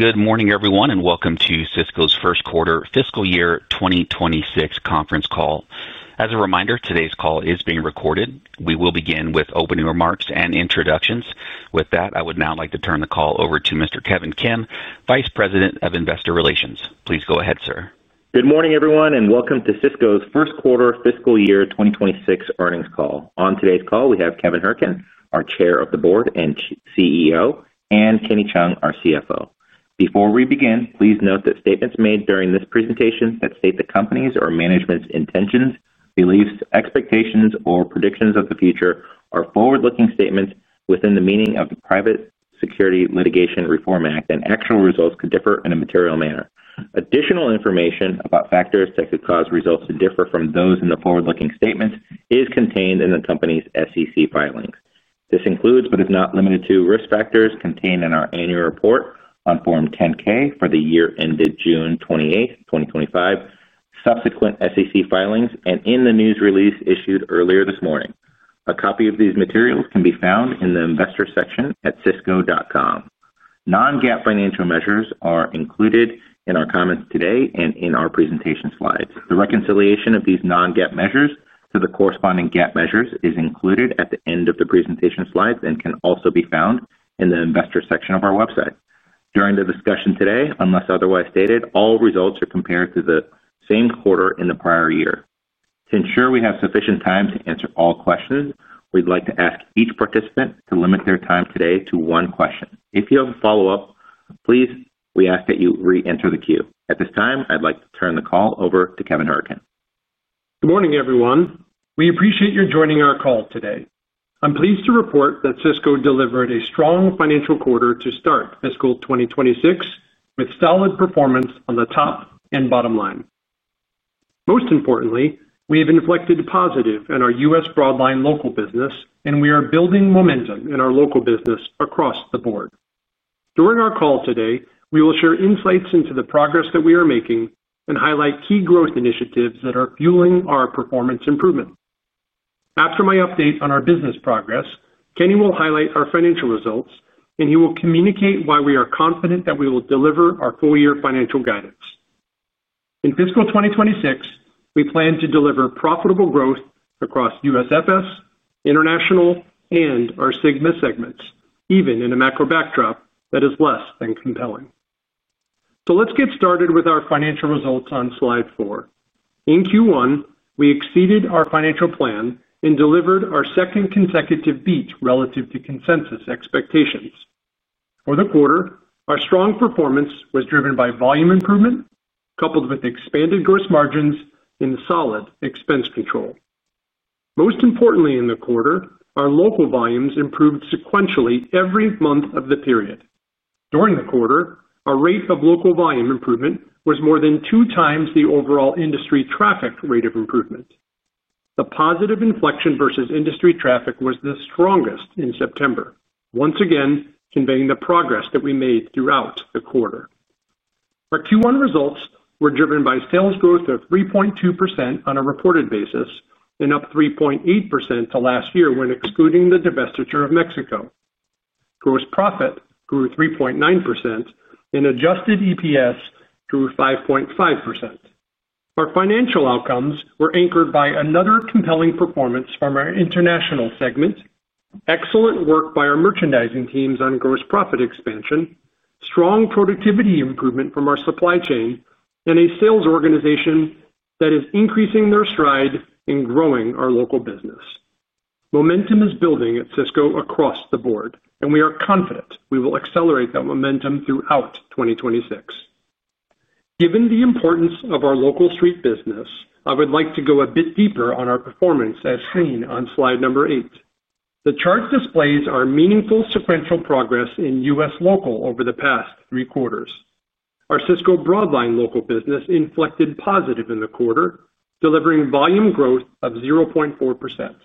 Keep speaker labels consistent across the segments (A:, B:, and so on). A: Good morning, everyone, and welcome to Sysco's first quarter fiscal year 2026 conference call. As a reminder, today's call is being recorded. We will begin with opening remarks and introductions. With that, I would now like to turn the call over to Mr. Kevin Kim, Vice President of Investor Relations. Please go ahead, sir.
B: Good morning, everyone, and welcome to Sysco's first quarter fiscal year 2026 earnings call. On today's call, we have Kevin Hourican, our Chair of the Board and CEO, and Kenny Cheung, our CFO. Before we begin, please note that statements made during this presentation that state the company's or management's intentions, beliefs, expectations, or predictions of the future are forward-looking statements within the meaning of the Private Securities Litigation Reform Act, and actual results could differ in a material manner. Additional information about factors that could cause results to differ from those in the forward-looking statements is contained in the company's SEC filings. This includes, but is not limited to, risk factors contained in our annual report on Form 10-K for the year ended June 28, 2025, subsequent SEC filings, and in the news release issued earlier this morning. A copy of these materials can be found in the Investor section at Sysco.com. non-GAAP financial measures are included in our comments today and in our presentation slides. The reconciliation of these non-GAAP measures to the corresponding GAAP measures is included at the end of the presentation slides and can also be found in the Investor section of our website. During the discussion today, unless otherwise stated, all results are compared to the same quarter in the prior year. To ensure we have sufficient time to answer all questions, we'd like to ask each participant to limit their time today to one question. If you have a follow-up, please, we ask that you re-enter the queue. At this time, I'd like to turn the call over to Kevin Hourican.
C: Good morning, everyone. We appreciate your joining our call today. I'm pleased to report that Sysco delivered a strong financial quarter to start Fiscal 2026 with solid performance on the top and bottom line. Most importantly, we have inflected positive in our U.S. Broadline local business, and we are building momentum in our local business across the board. During our call today, we will share insights into the progress that we are making and highlight key growth initiatives that are fueling our performance improvement. After my update on our business progress, Kenny will highlight our financial results, and he will communicate why we are confident that we will deliver our full-year financial guidance. In Fiscal 2026, we plan to deliver profitable growth across USFS, international, and our Sigma segments, even in a macro backdrop that is less than compelling. Let's get started with our financial results on slide four. In Q1, we exceeded our financial plan and delivered our second consecutive beat relative to consensus expectations. For the quarter, our strong performance was driven by volume improvement, coupled with expanded gross margins and solid expense control. Most importantly, in the quarter, our local volumes improved sequentially every month of the period. During the quarter, our rate of local volume improvement was more than 2x the overall industry traffic rate of improvement. The positive inflection versus industry traffic was the strongest in September, once again conveying the progress that we made throughout the quarter. Our Q1 results were driven by sales growth of 3.2% on a reported basis and up 3.8% to last year when excluding the divestiture of Mexico. Gross profit grew 3.9% and Adjusted EPS grew 5.5%. Our financial outcomes were anchored by another compelling performance from our international segments, excellent work by our merchandising teams on gross profit expansion, strong productivity improvement from our supply chain, and a sales organization that is increasing their stride in growing our local business. Momentum is building at Sysco across the board, and we are confident we will accelerate that momentum throughout 2026. Given the importance of our local street business, I would like to go a bit deeper on our performance as seen on slide number eight. The chart displays our meaningful sequential progress in U.S. local over the past three quarters. Our Sysco Broadline local business inflected positive in the quarter, delivering volume growth of 0.4%.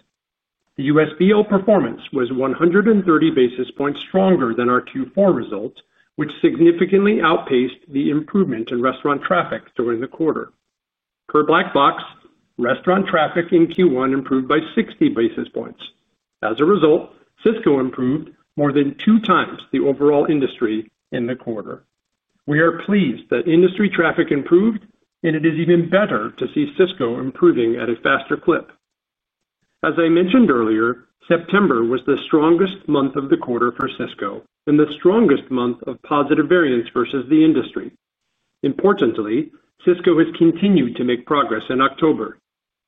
C: The USFS performance was 130 basis points stronger than our Q4 results, which significantly outpaced the improvement in restaurant traffic during the quarter. Per Black Box, restaurant traffic in Q1 improved by 60 basis points. As a result, Sysco improved more than 2x the overall industry in the quarter. We are pleased that industry traffic improved, and it is even better to see Sysco improving at a faster clip. As I mentioned earlier, September was the strongest month of the quarter for Sysco and the strongest month of positive variance versus the industry. Importantly, Sysco has continued to make progress in October.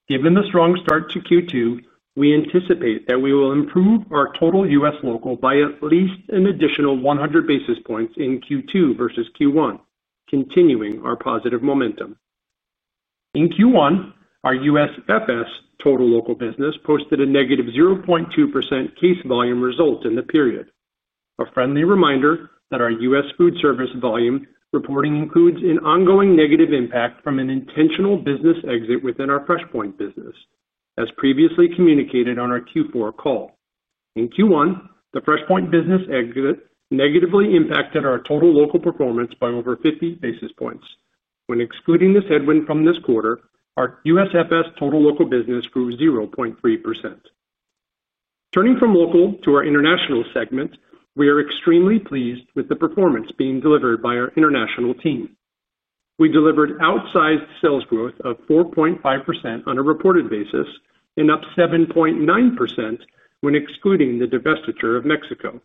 C: Given the strong start to Q2, we anticipate that we will improve our total U.S. local by at least an additional 100 basis points in Q2 versus Q1, continuing our positive momentum. In Q1, our USFS total local business posted a negative 0.2% case volume result in the period. A friendly reminder that our U.S. food service volume reporting includes an ongoing negative impact from an intentional business exit within our FreshPoint business, as previously communicated on our Q4 call. In Q1, the FreshPoint business exit negatively impacted our total local performance by over 50 basis points. When excluding this headwind from this quarter, our USFS total local business grew 0.3%. Turning from local to our international segments, we are extremely pleased with the performance being delivered by our international team. We delivered outsized sales growth of 4.5% on a reported basis and up 7.9% when excluding the divestiture of Mexico.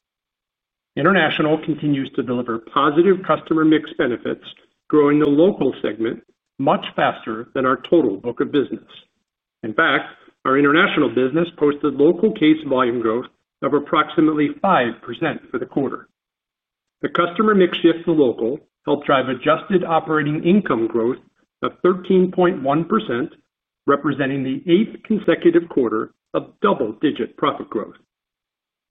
C: International continues to deliver positive customer mix benefits, growing the local segment much faster than our total book of business. In fact, our international business posted local case volume growth of approximately 5% for the quarter. The customer mix shift to local helped drive adjusted operating income growth of 13.1%, representing the eighth consecutive quarter of double-digit profit growth.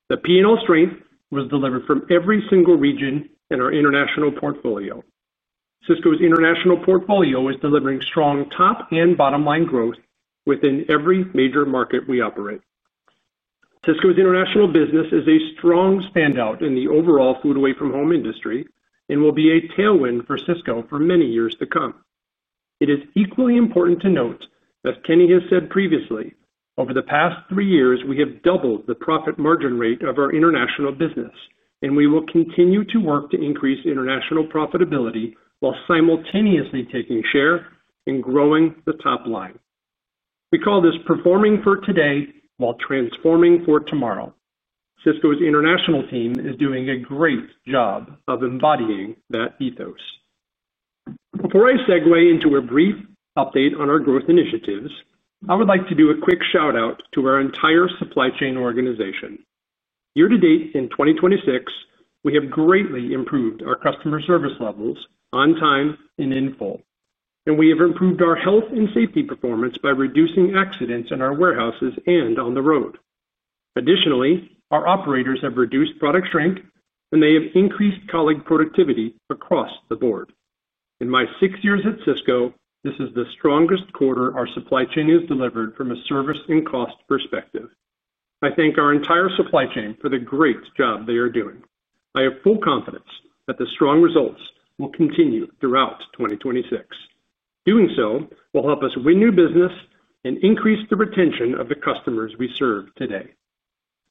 C: The P&L strength was delivered from every single region in our international portfolio. Sysco's international portfolio is delivering strong top and bottom line growth within every major market we operate. Sysco's international business is a strong standout in the overall food away from home industry and will be a tailwind for Sysco for many years to come. It is equally important to note that Kenny has said previously, over the past three years, we have doubled the profit margin rate of our international business, and we will continue to work to increase international profitability while simultaneously taking share and growing the top line. We call this performing for today while transforming for tomorrow. Sysco's international team is doing a great job of embodying that ethos. Before I segue into a brief update on our growth initiatives, I would like to do a quick shout out to our entire supply chain organization. Year to date in 2026, we have greatly improved our customer service levels on time and in full, and we have improved our health and safety performance by reducing accidents in our warehouses and on the road. Additionally, our operators have reduced product shrink, and they have increased colleague productivity across the board. In my six years at Sysco, this is the strongest quarter our supply chain has delivered from a service and cost perspective. I thank our entire supply chain for the great job they are doing. I have full confidence that the strong results will continue throughout 2026. Doing so will help us win new business and increase the retention of the customers we serve today.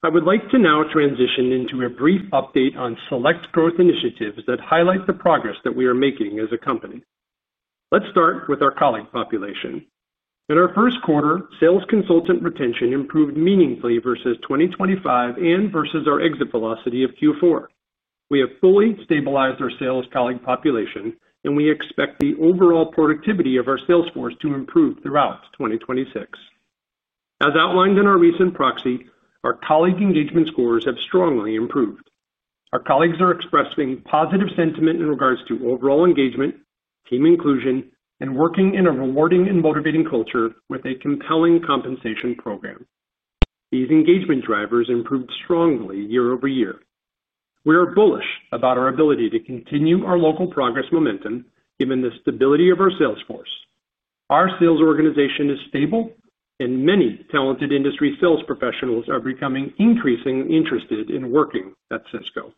C: I would like to now transition into a brief update on select growth initiatives that highlight the progress that we are making as a company. Let's start with our colleague population. In our first quarter, sales consultant retention improved meaningfully versus 2025 and versus our exit velocity of Q4. We have fully stabilized our sales colleague population, and we expect the overall productivity of our sales force to improve throughout 2026. As outlined in our recent proxy, our colleague engagement scores have strongly improved. Our colleagues are expressing positive sentiment in regards to overall engagement, team inclusion, and working in a rewarding and motivating culture with a compelling compensation program. These engagement drivers improved strongly year over year. We are bullish about our ability to continue our local progress momentum given the stability of our sales force. Our sales organization is stable, and many talented industry sales professionals are becoming increasingly interested in working at Sysco.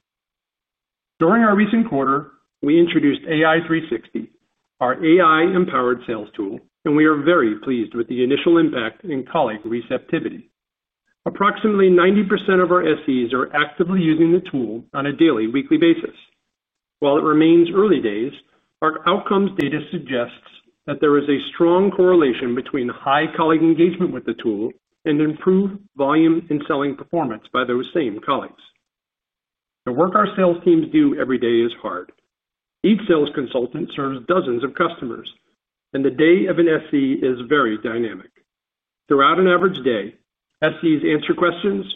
C: During our recent quarter, we introduced AI 360, our AI-empowered sales tool, and we are very pleased with the initial impact and colleague receptivity. Approximately 90% of our SEs are actively using the tool on a daily or weekly basis. While it remains early days, our outcomes data suggests that there is a strong correlation between high colleague engagement with the tool and improved volume and selling performance by those same colleagues. The work our sales teams do every day is hard. Each Sales Consultant serves dozens of customers, and the day of an SE is very dynamic. Throughout an average day, SEs answer questions,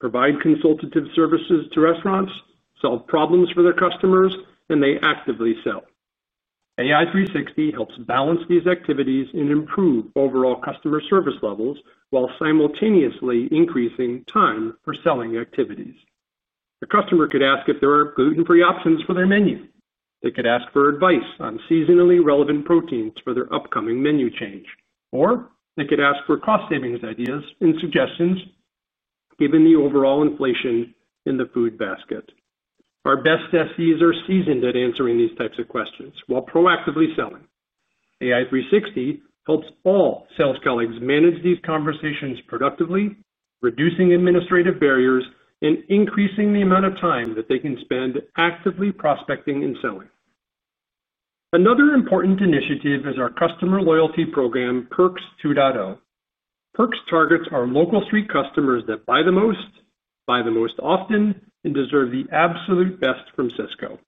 C: provide consultative services to restaurants, solve problems for their customers, and they actively sell. AI 360 helps balance these activities and improve overall customer service levels while simultaneously increasing time for selling activities. The customer could ask if there are gluten-free options for their menu. They could ask for advice on seasonally relevant proteins for their upcoming menu change, or they could ask for cost savings ideas and suggestions given the overall inflation in the food basket. Our best SEs are seasoned at answering these types of questions while proactively selling. AI 360 helps all sales colleagues manage these conversations productively, reducing administrative barriers and increasing the amount of time that they can spend actively prospecting and selling. Another important initiative is our customer loyalty program, Perks 2.0. Perks targets our local street customers that buy the most, buy the most often, and deserve the absolute best from Sysco.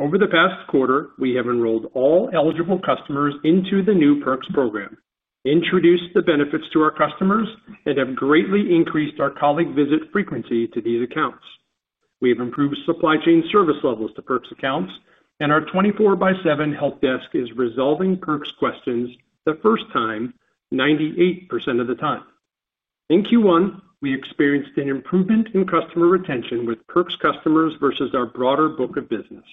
C: Over the past quarter, we have enrolled all eligible customers into the new Perks program, introduced the benefits to our customers, and have greatly increased our colleague visit frequency to these accounts. We have improved supply chain service levels to Perks accounts, and our 24 by 7 help desk is resolving Perks questions the first time 98% of the time. In Q1, we experienced an improvement in customer retention with Perks customers versus our broader book of business.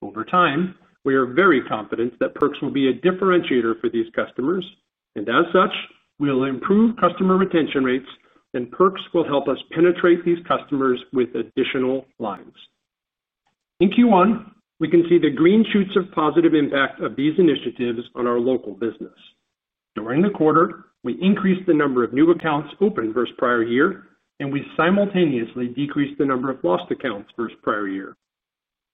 C: Over time, we are very confident that Perks will be a differentiator for these customers, and as such, we will improve customer retention rates, and Perks will help us penetrate these customers with additional lines. In Q1, we can see the green shoots of positive impact of these initiatives on our local business. During the quarter, we increased the number of new accounts opened versus prior year, and we simultaneously decreased the number of lost accounts versus prior year.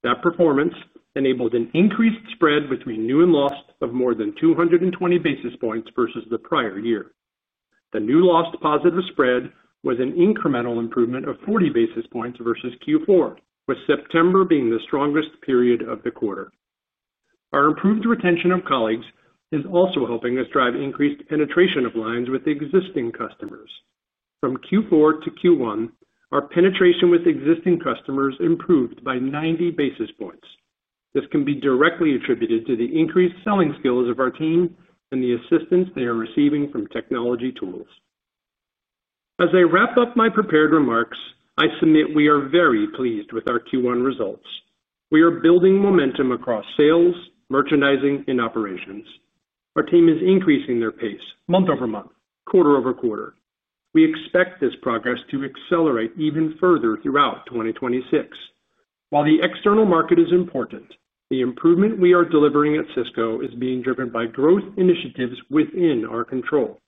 C: That performance enabled an increased spread between new and lost of more than 220 basis points versus the prior year. The new lost positive spread was an incremental improvement of 40 basis points versus Q4, with September being the strongest period of the quarter. Our improved retention of colleagues is also helping us drive increased penetration of lines with existing customers. From Q4 to Q1, our penetration with existing customers improved by 90 basis points. This can be directly attributed to the increased selling skills of our team and the assistance they are receiving from technology tools. As I wrap up my prepared remarks, I submit we are very pleased with our Q1 results. We are building momentum across sales, merchandising, and operations. Our team is increasing their pace month over month, quarter over quarter. We expect this progress to accelerate even further throughout 2026. While the external market is important, the improvement we are delivering at Sysco is being driven by growth initiatives within our control.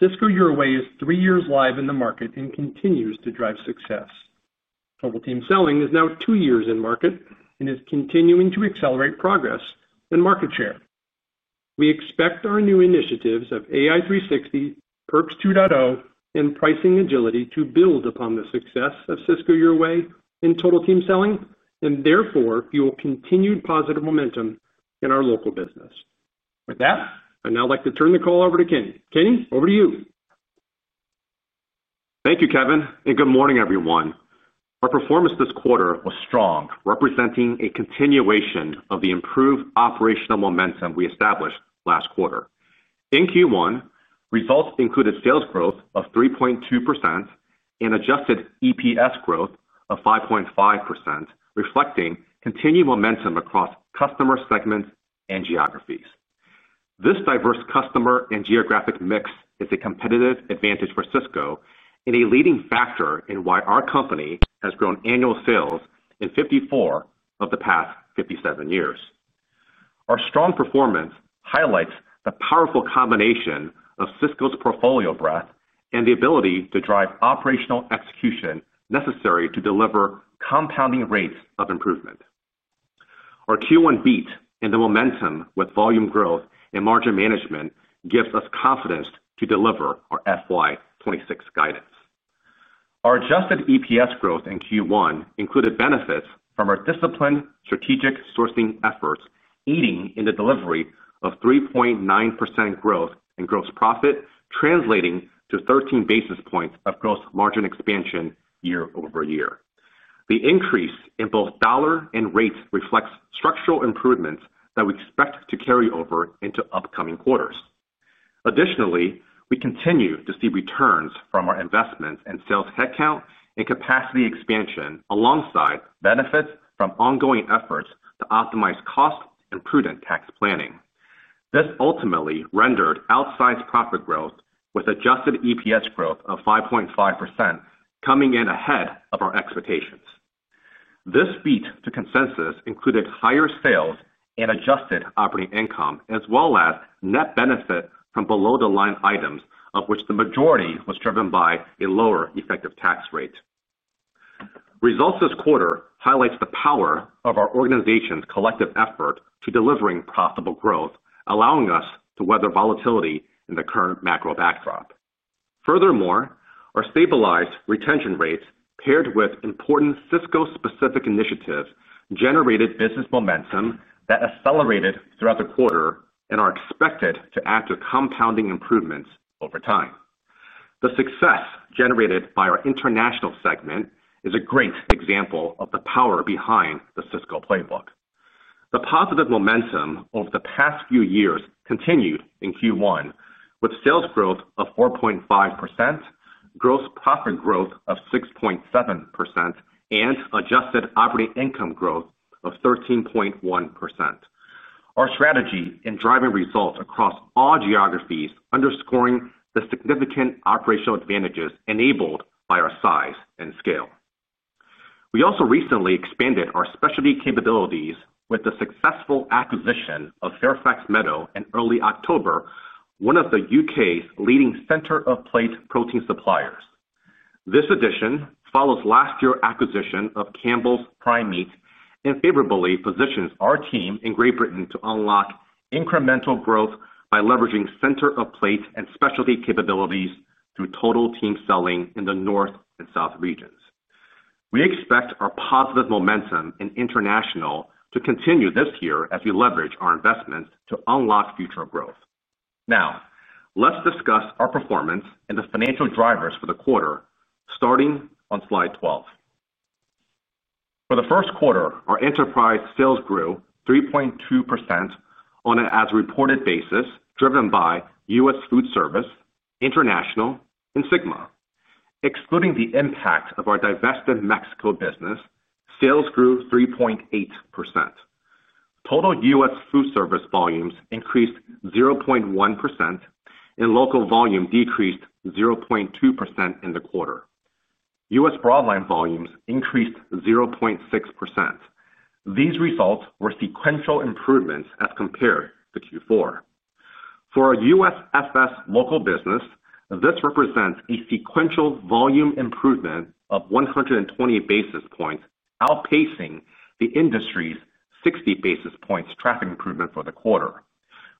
C: Sysco Your Way is three years live in the market and continues to drive success. Total Team Selling is now two years in market and is continuing to accelerate progress and market share. We expect our new initiatives of AI 360, Perks 2.0, and pricing agility to build upon the success of Sysco Your Way and Total Team Selling and therefore fuel continued positive momentum in our local business. With that, I'd now like to turn the call over to Kenny. Kenny, over to you.
D: Thank you, Kevin, and good morning, everyone. Our performance this quarter was strong, representing a continuation of the improved operational momentum we established last quarter. In Q1, results included sales growth of 3.2% and Adjusted EPS growth of 5.5%, reflecting continued momentum across customer segments and geographies. This diverse customer and geographic mix is a competitive advantage for Sysco and a leading factor in why our company has grown annual sales in 54 of the past 57 years. Our strong performance highlights the powerful combination of Sysco's portfolio breadth and the ability to drive operational execution necessary to deliver compounding rates of improvement. Our Q1 beat and the momentum with volume growth and margin management gives us confidence to deliver our FY2026 guidance. Our Adjusted EPS growth in Q1 included benefits from our disciplined strategic sourcing efforts, aiding in the delivery of 3.9% growth in gross profit, translating to 13 basis points of gross margin expansion year over year. The increase in both dollar and rates reflects structural improvements that we expect to carry over into upcoming quarters. Additionally, we continue to see returns from our investments in sales headcount and capacity expansion alongside benefits from ongoing efforts to optimize costs and prudent tax planning. This ultimately rendered outsized profit growth with Adjusted EPS growth of 5.5% coming in ahead of our expectations. This beat to consensus included higher sales and adjusted operating income, as well as net benefit from below-the-line items, of which the majority was driven by a lower effective tax rate. Results this quarter highlight the power of our organization's collective effort to deliver profitable growth, allowing us to weather volatility in the current macro backdrop. Furthermore, our stabilized retention rates, paired with important Sysco-specific initiatives, generated business momentum that accelerated throughout the quarter and are expected to add to compounding improvements over time. The success generated by our international segment is a great example of the power behind the Sysco playbook. The positive momentum over the past few years continued in Q1 with sales growth of 4.5%, gross profit growth of 6.7%, and adjusted operating income growth of 13.1%. Our strategy in driving results across all geographies underscores the significant operational advantages enabled by our size and scale. We also recently expanded our specialty capabilities with the successful acquisition of Fairfax Meadow in early October, one of the UK's leading center-of-plate protein suppliers. This addition follows last year's acquisition of Campbell’s Prime Meat and favorably positions our team in Great Britain to unlock incremental growth by leveraging center-of-plate and specialty capabilities through Total Team Selling in the North and South regions. We expect our positive momentum in International to continue this year as we leverage our investments to unlock future growth. Now, let's discuss our performance and the financial drivers for the quarter, starting on slide 12. For the first quarter, our enterprise sales grew 3.2% on an as-reported basis, driven by US Food Service, International, and Sigma. Excluding the impact of our divested Mexico business, sales grew 3.8%. Total US Foods Service volumes increased 0.1% and local volume decreased 0.2% in the quarter. US Broadline volumes increased 0.6%. These results were sequential improvements as compared to Q4. For our USFS local business, this represents a sequential volume improvement of 120 basis points, outpacing the industry's 60 basis points traffic improvement for the quarter.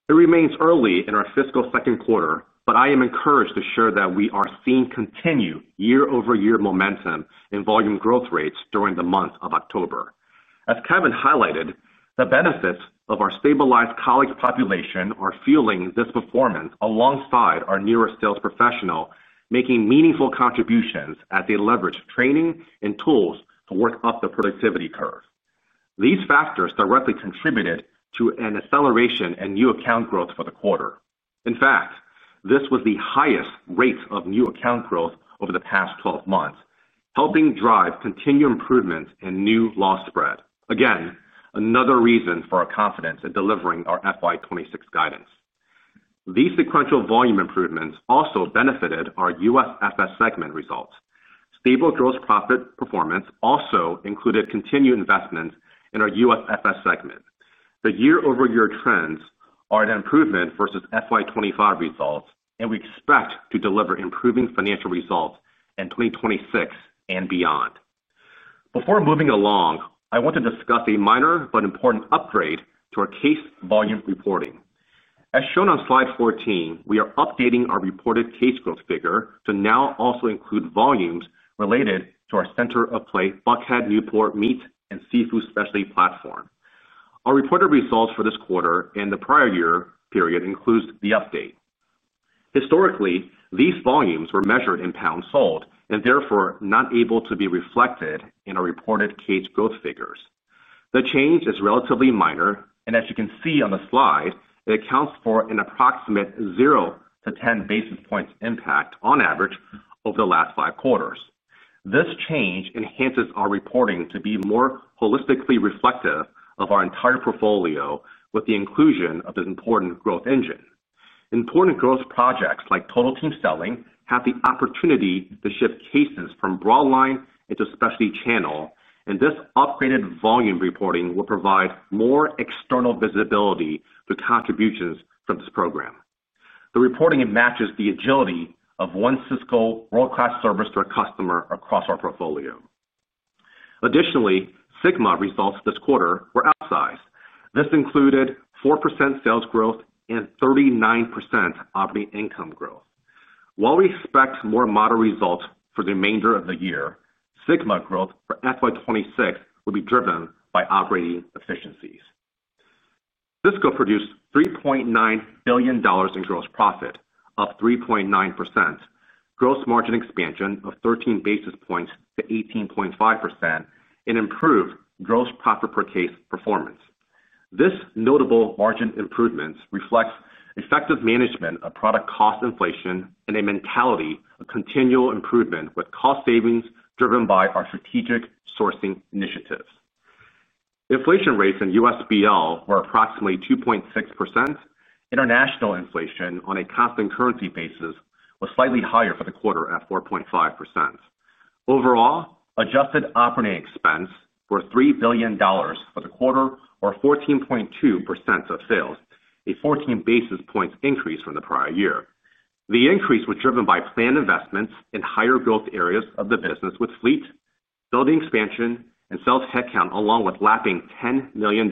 D: It remains early in our fiscal second quarter, but I am encouraged to share that we are seeing continued year-over-year momentum in volume growth rates during the month of October. As Kevin highlighted, the benefits of our stabilized colleague population are fueling this performance alongside our newer sales professionals making meaningful contributions as they leverage training and tools to work up the productivity curve. These factors directly contributed to an acceleration in new account growth for the quarter. In fact, this was the highest rate of new account growth over the past 12 months, helping drive continued improvements in new loss spread. Again, another reason for our confidence in delivering our FY2026 guidance. These sequential volume improvements also benefited our USFS segment results. Stable gross profit performance also included continued investments in our USFS segment. The year-over-year trends are an improvement versus FY2025 results, and we expect to deliver improving financial results in 2026 and beyond. Before moving along, I want to discuss a minor but important upgrade to our case volume reporting. As shown on slide 14, we are updating our reported case growth figure to now also include volumes related to our center-of-plate Buckhead Newport Meat and Seafood Specialty platform. Our reported results for this quarter and the prior year period include the update. Historically, these volumes were measured in pounds sold and therefore not able to be reflected in our reported case growth figures. The change is relatively minor, and as you can see on the slide, it accounts for an approximate 0 basis points-10 basis points impact on average over the last five quarters. This change enhances our reporting to be more holistically reflective of our entire portfolio with the inclusion of this important growth engine. Important growth projects like Total Team Selling have the opportunity to shift cases from Broadline into Specialty Channel, and this upgraded volume reporting will provide more external visibility to contributions from this program. The reporting matches the agility of one Sysco world-class service to a customer across our portfolio. Additionally, Sigma results this quarter were outsized. This included 4% sales growth and 39% operating income growth. While we expect more moderate results for the remainder of the year, Sigma growth for FY2026 will be driven by operating efficiencies. Sysco produced $3.9 billion in gross profit of 3.9%, gross margin expansion of 13 basis points to 18.5%, and improved gross profit per case performance. This notable margin improvement reflects effective management of product cost inflation and a mentality of continual improvement with cost savings driven by our strategic sourcing initiatives. Inflation rates in US Food Service were approximately 2.6%. International inflation on a constant currency basis was slightly higher for the quarter at 4.5%. Overall, adjusted operating expense was $3 billion for the quarter, or 14.2% of sales, a 14 basis points increase from the prior year. The increase was driven by planned investments in higher growth areas of the business with fleet, building expansion, and sales headcount, along with lapping $10 million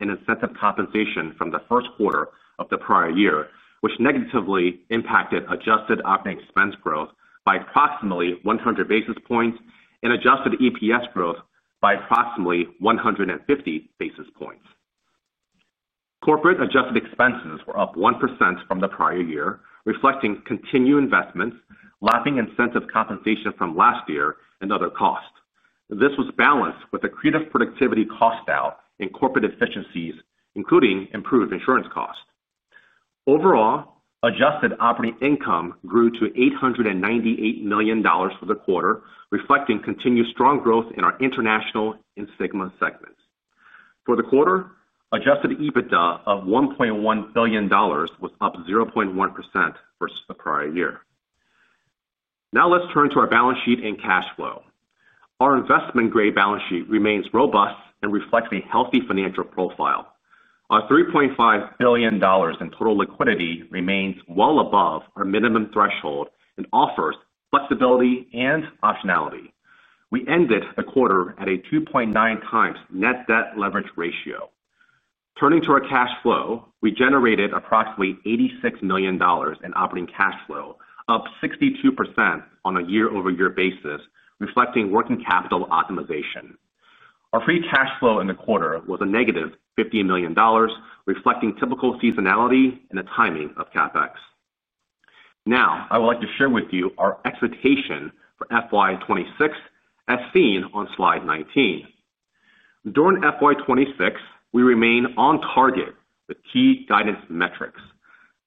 D: in incentive compensation from the first quarter of the prior year, which negatively impacted adjusted operating expense growth by approximately 100 basis points and Adjusted EPS growth by approximately 150 basis points. Corporate adjusted expenses were up 1% from the prior year, reflecting continued investments lapping incentive compensation from last year and other costs. This was balanced with a creative productivity cost out and corporate efficiencies, including improved insurance costs. Overall, adjusted operating income grew to $898 million for the quarter, reflecting continued strong growth in our International and Sigma segments. For the quarter, Adjusted EBITDA of $1.1 billion was up 0.1% versus the prior year. Now let's turn to our balance sheet and cash flow. Our investment-grade balance sheet remains robust and reflects a healthy financial profile. Our $3.5 billion in total liquidity remains well above our minimum threshold and offers flexibility and optionality. We ended the quarter at a 2.9x net debt leverage ratio. Turning to our cash flow, we generated approximately $86 million in operating cash flow, up 62% on a year-over-year basis, reflecting working capital optimization. Our free cash flow in the quarter was a negative $50 million, reflecting typical seasonality and the timing of CapEx. Now, I would like to share with you our expectation for FY2026, as seen on slide 19. During FY2026, we remain on target with key guidance metrics.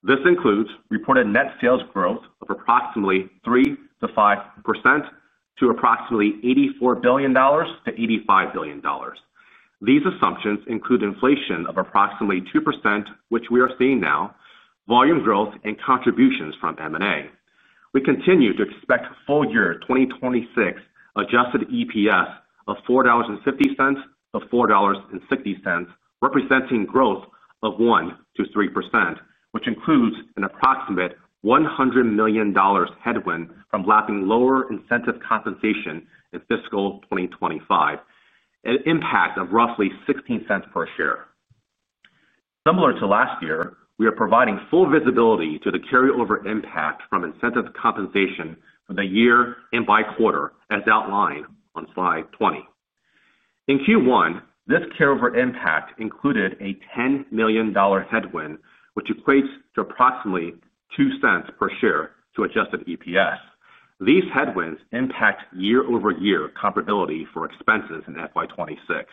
D: This includes reported net sales growth of approximately 3% to 5% to approximately $84 billion-$85 billion. These assumptions include inflation of approximately 2%, which we are seeing now, volume growth, and contributions from M&A. We continue to expect full-year 2026 Adjusted EPS of $4.50-$4.60, representing growth of 1%-3%, which includes an approximate $100 million headwind from lapping lower incentive compensation in fiscal 2025, an impact of roughly $0.16 per share. Similar to last year, we are providing full visibility to the carryover impact from incentive compensation for the year and by quarter, as outlined on slide 20. In Q1, this carryover impact included a $10 million headwind, which equates to approximately $0.02 per share to Adjusted EPS. These headwinds impact year-over-year comparability for expenses in FY2026.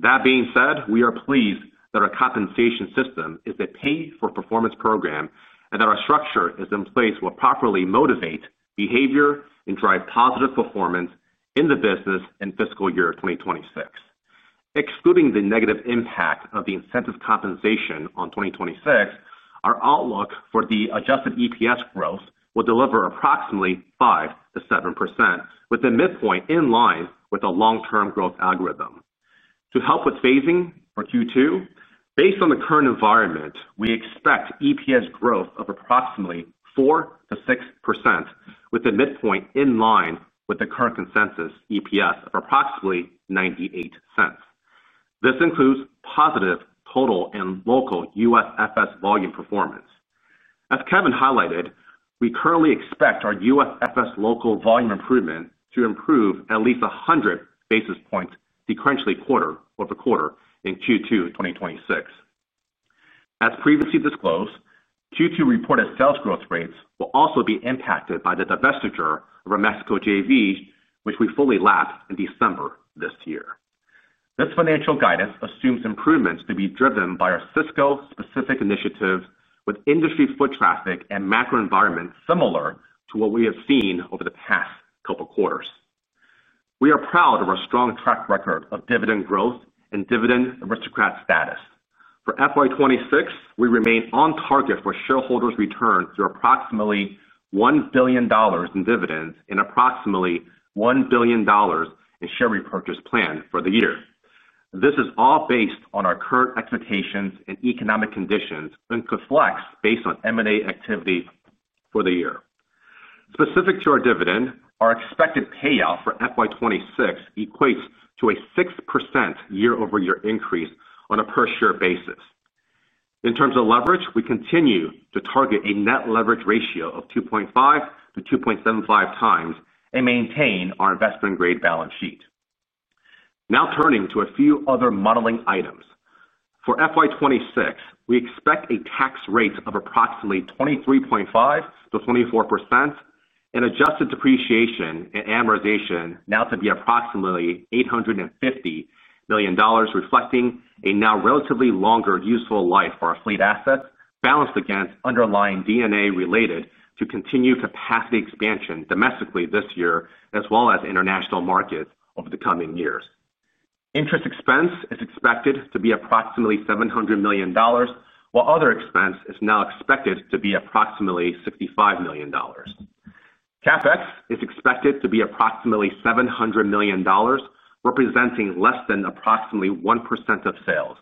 D: That being said, we are pleased that our compensation system is a pay-for-performance program and that our structure is in place to properly motivate behavior and drive positive performance in the business in fiscal year 2026. Excluding the negative impact of the incentive compensation on 2026, our outlook for the Adjusted EPS growth will deliver approximately 5%-7%, with the midpoint in line with the long-term growth algorithm. To help with phasing for Q2, based on the current environment, we expect EPS growth of approximately 4%-6%, with the midpoint in line with the current consensus EPS of approximately $0.98. This includes positive total and local USFS volume performance. As Kevin highlighted, we currently expect our USFS local volume improvement to improve at least 100 basis points sequentially quarter over quarter in Q2 2026. As previously disclosed, Q2 reported sales growth rates will also be impacted by the divestiture of our Mexico JV, which we fully lapped in December this year. This financial guidance assumes improvements to be driven by our Sysco-specific initiatives with industry foot traffic and macro environment similar to what we have seen over the past couple of quarters. We are proud of our strong track record of dividend growth and dividend aristocrat status. For FY2026, we remain on target for shareholders' returns to approximately $1 billion in dividends and approximately $1 billion in share repurchase plans for the year. This is all based on our current expectations and economic conditions and reflects based on M&A activity for the year. Specific to our dividend, our expected payout for FY2026 equates to a 6% year-over-year increase on a per-share basis. In terms of leverage, we continue to target a net leverage ratio of 2.5x-2.75x and maintain our investment-grade balance sheet. Now turning to a few other modeling items. For FY2026, we expect a tax rate of approximately 23.5%-24% and adjusted depreciation and amortization now to be approximately $850 million, reflecting a now relatively longer useful life for our fleet assets balanced against underlying D&A related to continued capacity expansion domestically this year, as well as international markets over the coming years. Interest expense is expected to be approximately $700 million, while other expense is now expected to be approximately $65 million. CapEx is expected to be approximately $700 million, representing less than approximately 1% of sales.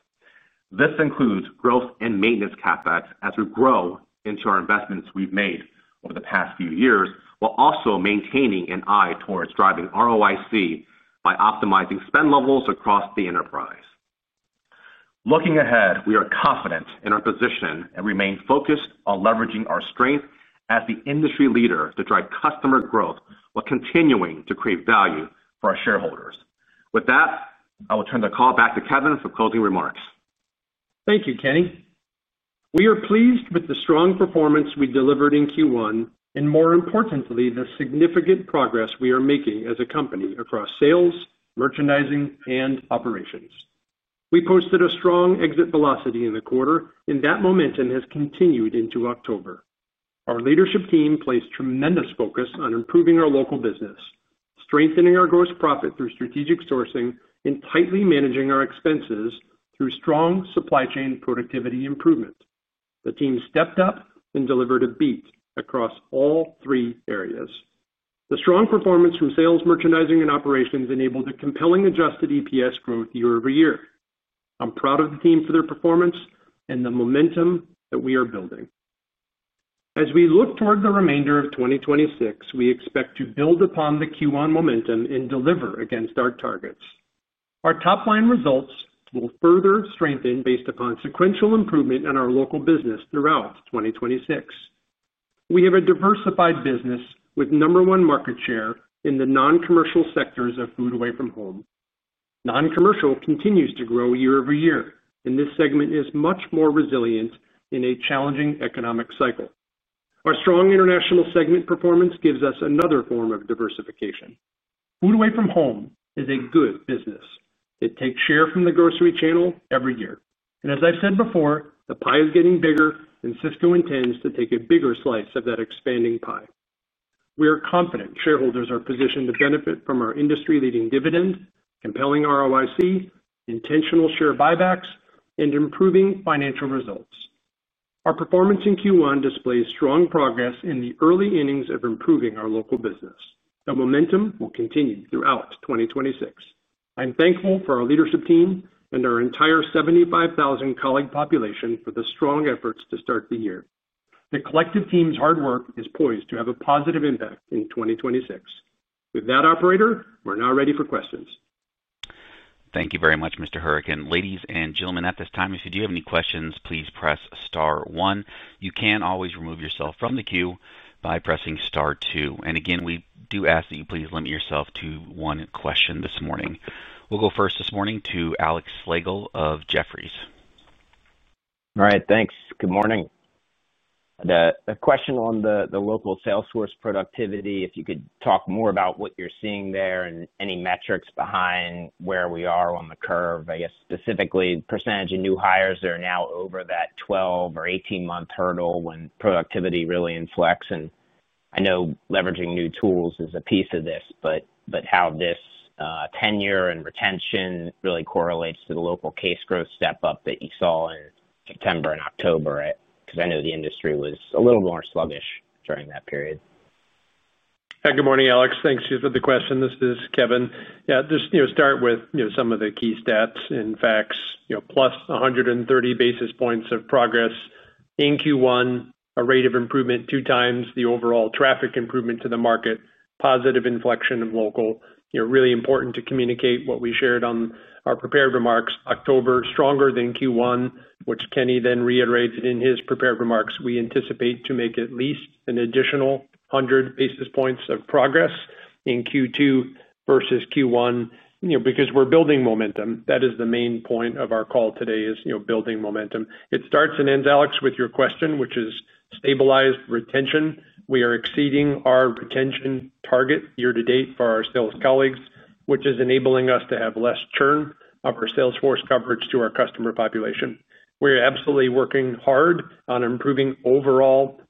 D: This includes growth and maintenance CapEx as we grow into our investments we've made over the past few years, while also maintaining an eye towards driving ROIC by optimizing spend levels across the enterprise. Looking ahead, we are confident in our position and remain focused on leveraging our strength as the industry leader to drive customer growth while continuing to create value for our shareholders. With that, I will turn the call back to Kevin for closing remarks.
C: Thank you, Kenny. We are pleased with the strong performance we delivered in Q1, and more importantly, the significant progress we are making as a company across sales, merchandising, and operations. We posted a strong exit velocity in the quarter, and that momentum has continued into October. Our leadership team placed tremendous focus on improving our local business, strengthening our gross profit through strategic sourcing, and tightly managing our expenses through strong supply chain productivity improvement. The team stepped up and delivered a beat across all three areas. The strong performance from sales, merchandising, and operations enabled a compelling Adjusted EPS growth year over year. I'm proud of the team for their performance and the momentum that we are building. As we look toward the remainder of 2026, we expect to build upon the Q1 momentum and deliver against our targets. Our top line results will further strengthen based upon sequential improvement in our local business throughout 2026. We have a diversified business with number one market share in the non-commercial sectors of food away from home. Non-commercial continues to grow year over year, and this segment is much more resilient in a challenging economic cycle. Our strong international segment performance gives us another form of diversification. Food away from home is a good business. It takes share from the grocery channel every year. As I've said before, the pie is getting bigger, and Sysco intends to take a bigger slice of that expanding pie. We are confident shareholders are positioned to benefit from our industry-leading dividend, compelling ROIC, intentional share buybacks, and improving financial results. Our performance in Q1 displays strong progress in the early innings of improving our local business. The momentum will continue throughout 2026. I'm thankful for our leadership team and our entire 75,000 colleague population for the strong efforts to start the year. The collective team's hard work is poised to have a positive impact in 2026. With that, operator, we're now ready for questions.
A: Thank you very much, Mr. Hourican. Ladies and gentlemen, at this time, if you do have any questions, please press star one. You can always remove yourself from the queue by pressing star two. We do ask that you please limit yourself to one question this morning. We'll go first this morning to Alex Slagle of Jefferies.
E: All right, thanks. Good morning. The question on the local Salesforce productivity, if you could talk more about what you're seeing there and any metrics behind where we are on the curve. I guess specifically, the % of new hires that are now over that 12 or 18-month hurdle when productivity really inflects. I know leveraging new tools is a piece of this, but how this tenure and retention really correlates to the local case growth step up that you saw in September and October, because I know the industry was a little more sluggish during that period.
C: Good morning, Alex. Thanks for the question. This is Kevin. Just start with some of the key stats and facts plus 130 basis points of progress in Q1, a rate of improvement 2x the overall traffic improvement to the market, positive inflection of local. Really important to communicate what we shared on our prepared remarks. October, stronger than Q1, which Kenny then reiterated in his prepared remarks. We anticipate to make at least an additional 100 basis points of progress in Q2 versus Q1, because we're building momentum. That is the main point of our call today, is building momentum. It starts and ends, Alex, with your question, which is stabilized retention. We are exceeding our retention target year to date for our sales colleagues, which is enabling us to have less churn of our Salesforce coverage to our customer population. We are absolutely working hard on improving overall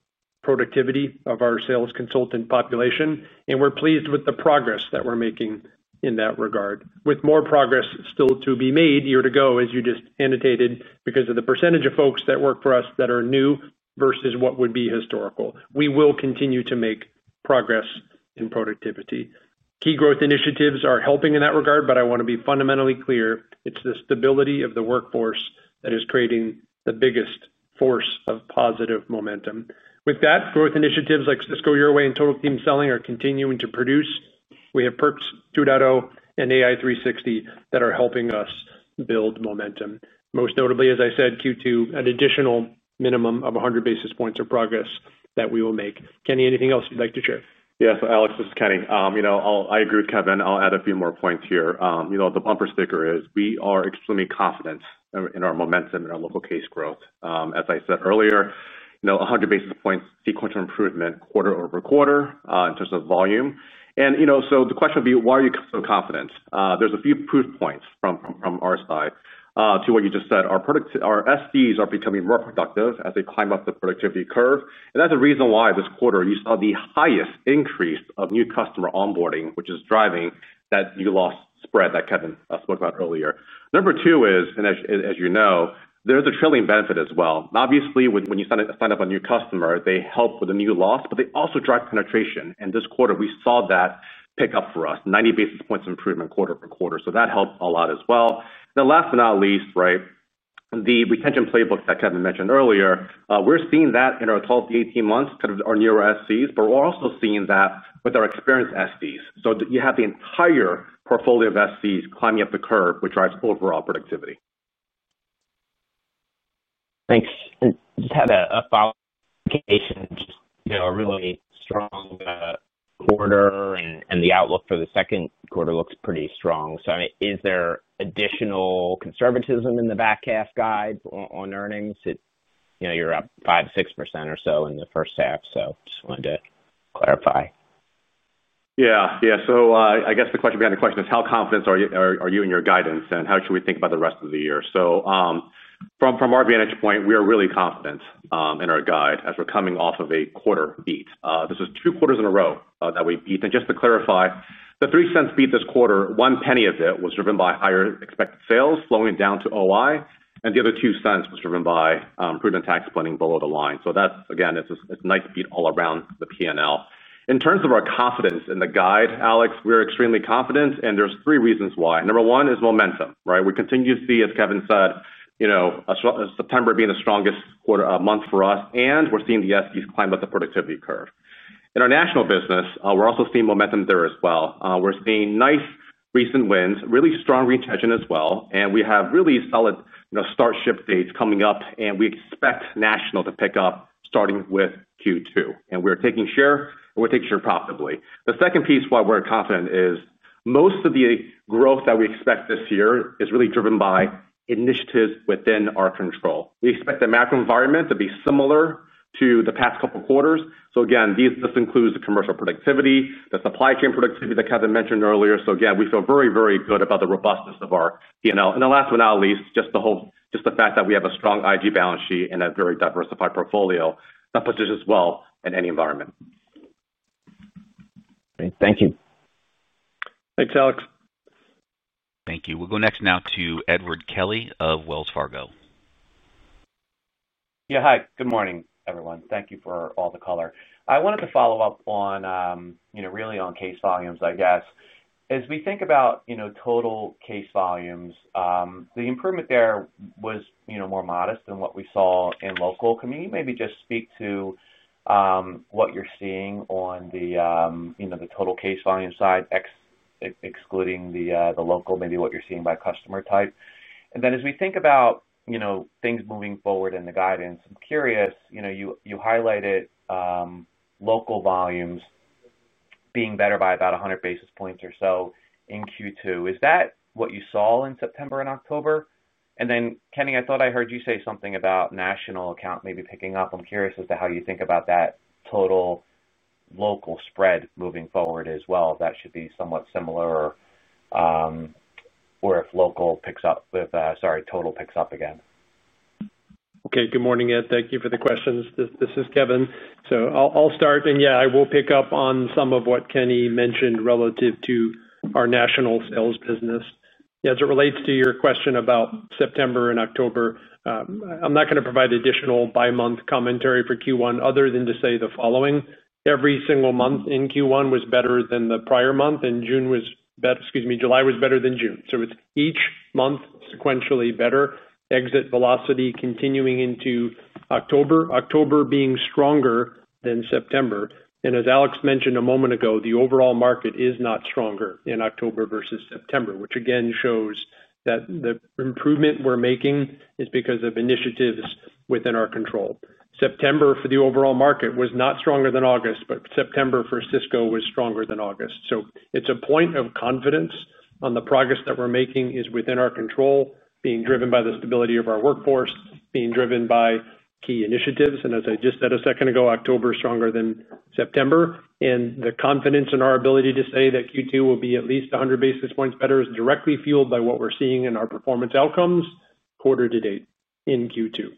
C: productivity of our sales consultant population, and we're pleased with the progress that we're making in that regard. With more progress still to be made year to go, as you just annotated, because of the percentage of folks that work for us that are new versus what would be historical. We will continue to make progress in productivity. Key growth initiatives are helping in that regard, but I want to be fundamentally clear, it's the stability of the workforce that is creating the biggest force of positive momentum. With that, growth initiatives like Sysco Your Way and Total Team Selling are continuing to produce. We have Perks 2.0 and AI 360 that are helping us build momentum. Most notably, as I said, Q2, an additional minimum of 100 basis points of progress that we will make. Kenny, anything else you'd like to share?
D: Yeah, so Alex, this is Kenny. I agree with Kevin. I'll add a few more points here. The bumper sticker is we are extremely confident in our momentum and our local case growth. As I said earlier, 100 basis points sequential improvement quarter over quarter in terms of volume. The question would be, why are you so confident? There's a few proof points from our side to what you just said. Our SDs are becoming more productive as they climb up the productivity curve. That's the reason why this quarter you saw the highest increase of new customer onboarding, which is driving that new loss spread that Kevin spoke about earlier. Number two is, as you know, there's a trailing benefit as well. Obviously, when you sign up a new customer, they help with the new loss, but they also drive penetration. This quarter, we saw that pick up for us, 90 basis points improvement quarter over quarter. That helped a lot as well. Last but not least, the retention playbook that Kevin mentioned earlier, we're seeing that in our 12 to 18 months, kind of our newer SDs, but we're also seeing that with our experienced SDs. You have the entire portfolio of SDs climbing up the curve, which drives overall productivity.
E: Thanks. I just had a follow-up question. Just a really strong quarter, and the outlook for the second quarter looks pretty strong. Is there additional conservatism in the back half guide on earnings? You're up 5%-6% or so in the first half, so I just wanted to clarify.
D: I guess the question behind the question is how confident are you in your guidance and how should we think about the rest of the year? From our vantage point, we are really confident in our guide as we're coming off of a quarter beat. This is two quarters in a row that we beat. Just to clarify, the $0.03 beat this quarter, one penny of it was driven by higher expected sales, slowing it down to operating income, and the other $0.02 was driven by improvement in tax planning below the line. That, again, it's a nice beat all around the P&L. In terms of our confidence in the guide, Alex, we are extremely confident, and there's three reasons why. Number one is momentum, right? We continue to see, as Kevin said, September being the strongest month for us, and we're seeing the SDs climb up the productivity curve. In our national business, we're also seeing momentum there as well. We're seeing nice recent wins, really strong retention as well, and we have really solid start ship dates coming up, and we expect national to pick up starting with Q2. We are taking share, and we're taking share profitably. The second piece why we're confident is most of the growth that we expect this year is really driven by initiatives within our control. We expect the macro environment to be similar to the past couple of quarters. This includes the commercial productivity, the supply chain productivity that Kevin mentioned earlier. We feel very, very good about the robustness of our P&L. Last but not least, just the fact that we have a strong IG balance sheet and a very diversified portfolio that positions well in any environment.
E: Great, thank you.
C: Thanks, Alex.
A: Thank you. We'll go next now to Edward Kelly of Wells Fargo.
F: Yeah, hi. Good morning, everyone. Thank you for all the color. I wanted to follow up on, you know, really on case volumes, I guess. As we think about, you know, total case volumes, the improvement there was, you know, more modest than what we saw in local. Can we maybe just speak to what you're seeing on the, you know, the total case volume side, excluding the local, maybe what you're seeing by customer type? As we think about, you know, things moving forward in the guidance, I'm curious, you know, you highlighted local volumes being better by about 100 basis points or so in Q2. Is that what you saw in September and October? Kenny, I thought I heard you say something about national account maybe picking up. I'm curious as to how you think about that total local spread moving forward as well, if that should be somewhat similar or if local picks up with, sorry, total picks up again.
C: Okay, good morning, Ed. Thank you for the questions. This is Kevin. I'll start, and I will pick up on some of what Kenny mentioned relative to our national sales business. As it relates to your question about September and October, I'm not going to provide additional bi-month commentary for Q1 other than to say the following. Every single month in Q1 was better than the prior month, and July was better than June. Each month was sequentially better. Exit velocity continued into October, October being stronger than September. As Alex mentioned a moment ago, the overall market is not stronger in October versus September, which again shows that the improvement we're making is because of initiatives within our control. September for the overall market was not stronger than August, but September for Sysco was stronger than August. It's a point of confidence that the progress we're making is within our control, being driven by the stability of our workforce and by key initiatives. As I just said a second ago, October is stronger than September. The confidence in our ability to say that Q2 will be at least 100 basis points better is directly fueled by what we're seeing in our performance outcomes quarter to date in Q2.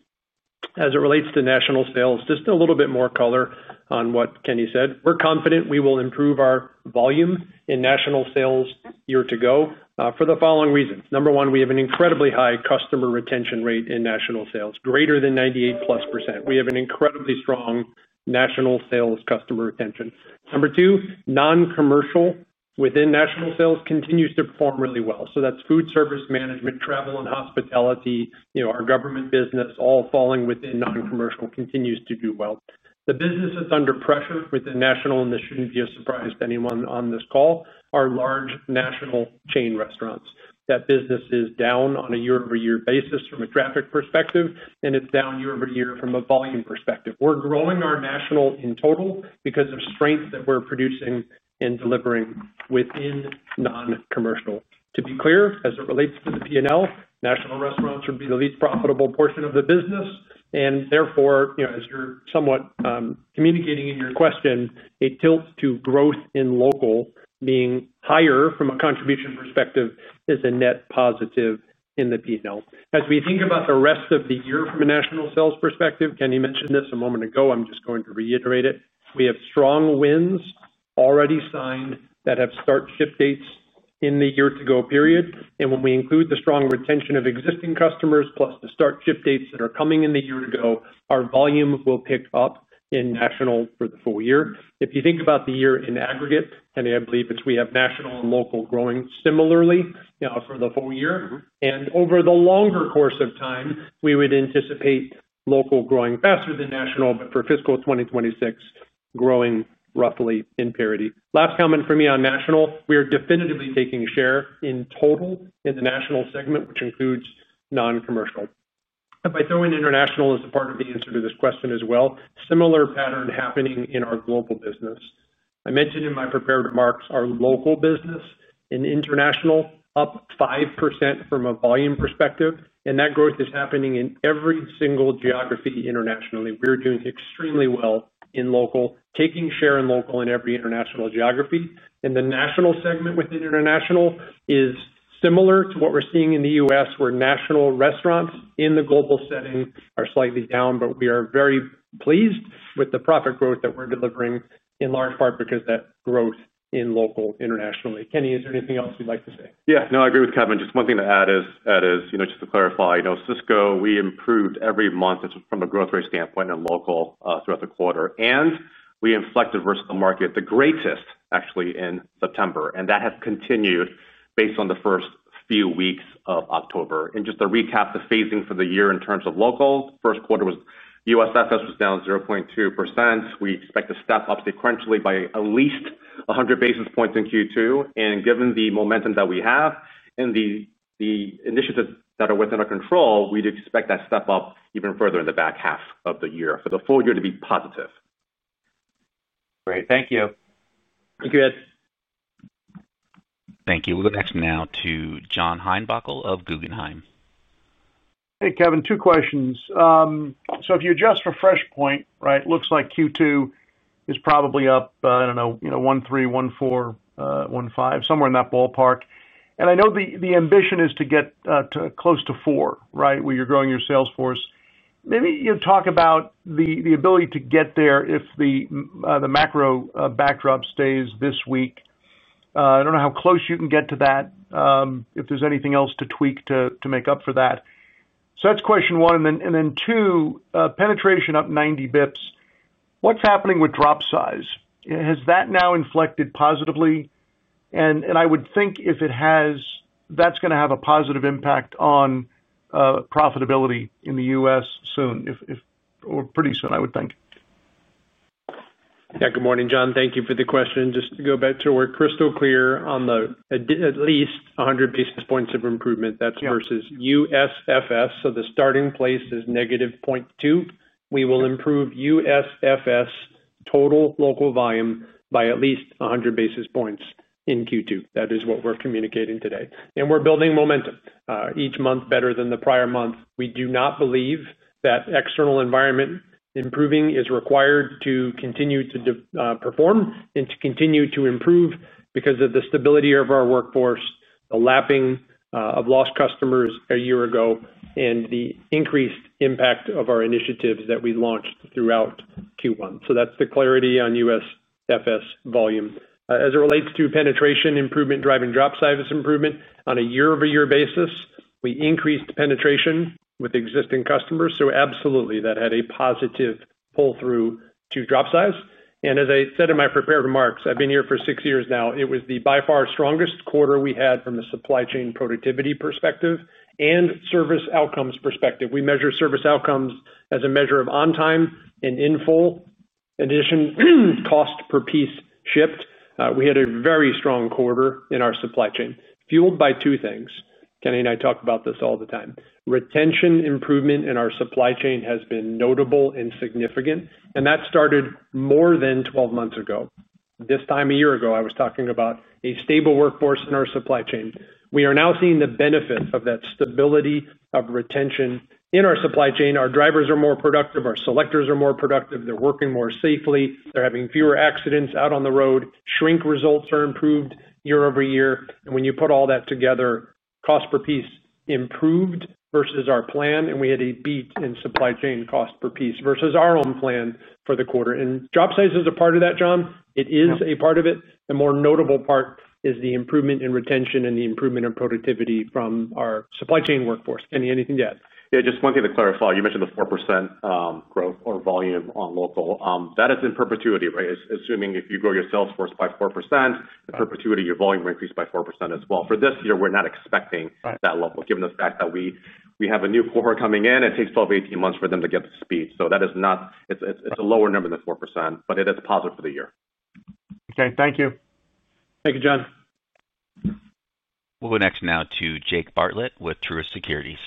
C: As it relates to national sales, just a little bit more color on what Kenny said. We're confident we will improve our volume in national sales year to go for the following reasons. Number one, we have an incredibly high customer retention rate in national sales, greater than 98%. We have an incredibly strong national sales customer retention. Number two, non-commercial within national sales continues to perform really well. That's food service management, travel, and hospitality. Our government business, all falling within non-commercial, continues to do well. The business that's under pressure within national, and this shouldn't be a surprise to anyone on this call, are large national chain restaurants. That business is down on a year-over-year basis from a traffic perspective, and it's down year-over-year from a volume perspective. We're growing our national in total because of strength that we're producing and delivering within non-commercial. To be clear, as it relates to the P&L, national restaurants would be the least profitable portion of the business. Therefore, as you're somewhat communicating in your question, a tilt to growth in local being higher from a contribution perspective is a net positive in the P&L. As we think about the rest of the year from a national sales perspective, Kenny mentioned this a moment ago. I'm just going to reiterate it. We have strong wins already signed that have start ship dates in the year-to-go period. When we include the strong retention of existing customers, plus the start ship dates that are coming in the year to go, our volume will pick up in national for the full year. If you think about the year in aggregate, Kenny, I believe it's we have national and local growing similarly for the full year. Over the longer course of time, we would anticipate local growing faster than national, but for fiscal 2026, growing roughly in parity. Last comment for me on national, we are definitively taking a share in total in the national segment, which includes non-commercial. By throwing international as a part of the answer to this question as well, similar pattern happening in our global business. I mentioned in my prepared remarks our local business and international up 5% from a volume perspective. That growth is happening in every single geography internationally. We're doing extremely well in local, taking share in local and every international geography. The national segment within international is similar to what we're seeing in the U.S., where national restaurants in the global setting are slightly down, but we are very pleased with the profit growth that we're delivering in large part because of that growth in local internationally. Kenny, is there anything else you'd like to say?
D: Yeah, no, I agree with Kevin. Just one thing to add is, you know, just to clarify, you know, Sysco, we improved every month from a growth rate standpoint in local throughout the quarter. We inflected versus the market the greatest, actually, in September. That has continued based on the first few weeks of October. Just to recap the phasing for the year in terms of local, the first quarter was USFS was down 0.2%. We expect to step up sequentially by at least 100 basis points in Q2. Given the momentum that we have and the initiatives that are within our control, we'd expect that step up even further in the back half of the year for the full year to be positive.
F: Great, thank you.
C: Thank you, Ed.
A: Thank you. We'll go next now to John Heinbockel of Guggenheim.
G: Hey, Kevin, two questions. If you adjust for FreshPoint, it looks like Q2 is probably up, I don't know, 13%, 14%, 15%, somewhere in that ballpark. I know the ambition is to get close to 4%, where you're growing your sales force. Maybe you talk about the ability to get there if the macro backdrop stays this weak. I don't know how close you can get to that, if there's anything else to tweak to make up for that. That's question one. Then two, penetration up 90 bps. What's happening with drop size? Has that now inflected positively? I would think if it has, that's going to have a positive impact on profitability in the U.S. soon, pretty soon, I would think.
C: Yeah, good morning, John. Thank you for the question. Just to go back to where crystal clear on the at least 100 basis points of improvement, that's versus USFS. The starting place is -0.2. We will improve USFS total local volume by at least 100 basis points in Q2. That is what we're communicating today. We're building momentum, each month better than the prior month. We do not believe that external environment improving is required to continue to perform and to continue to improve because of the stability of our workforce, the lapping of lost customers a year ago, and the increased impact of our initiatives that we launched throughout Q1. That's the clarity on USFS volume. As it relates to penetration improvement driving drop size improvement on a year-over-year basis, we increased penetration with existing customers. Absolutely, that had a positive pull-through to drop size. As I said in my prepared remarks, I've been here for six years now. It was by far the strongest quarter we had from a supply chain productivity perspective and service outcomes perspective. We measure service outcomes as a measure of on time and in full. In addition, cost per piece shipped, we had a very strong quarter in our supply chain, fueled by two things. Kenny and I talk about this all the time. Retention improvement in our supply chain has been notable and significant, and that started more than 12 months ago. This time a year ago, I was talking about a stable workforce in our supply chain. We are now seeing the benefit of that stability of retention in our supply chain. Our drivers are more productive. Our selectors are more productive. They're working more safely. They're having fewer accidents out on the road. Shrink results are improved year over year. When you put all that together, cost per piece improved versus our plan, and we had a beat in supply chain cost per piece versus our own plan for the quarter. Job size is a part of that, John. It is a part of it. The more notable part is the improvement in retention and the improvement in productivity from our supply chain workforce. Kenny, anything to add?
D: Yeah, just one thing to clarify. You mentioned the 4% growth or volume on local. That is in perpetuity, right? Assuming if you grow your sales force by 4%, in perpetuity, your volume will increase by 4% as well. For this year, we're not expecting that level, given the fact that we have a new core coming in. It takes 12 to 18 months for them to get to speed. That is not, it's a lower number than 4%, but it is positive for the year.
G: Okay, thank you.
C: Thank you, John.
A: will go next now to Jake Bartlett with Truist Securities.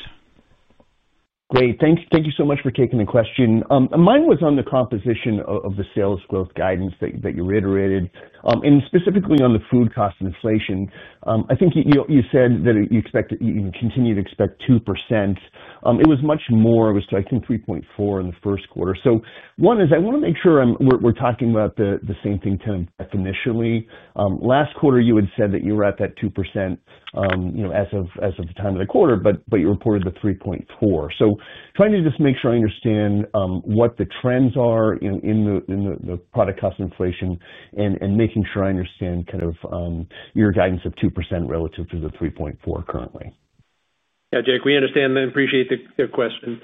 H: Great. Thank you so much for taking the question. Mine was on the composition of the sales growth guidance that you reiterated. Specifically on the food cost and inflation, I think you said that you expect to continue to expect 2%. It was much more. It was to, I think, 3.4% in the first quarter. One is I want to make sure we're talking about the same thing kind of definitionally. Last quarter, you had said that you were at that 2% as of the time of the quarter, but you reported the 3.4%. Trying to just make sure I understand what the trends are in the product cost inflation and making sure I understand kind of your guidance of 2% relative to the 3.4% currently.
C: Yeah, Jake, we understand and appreciate the question.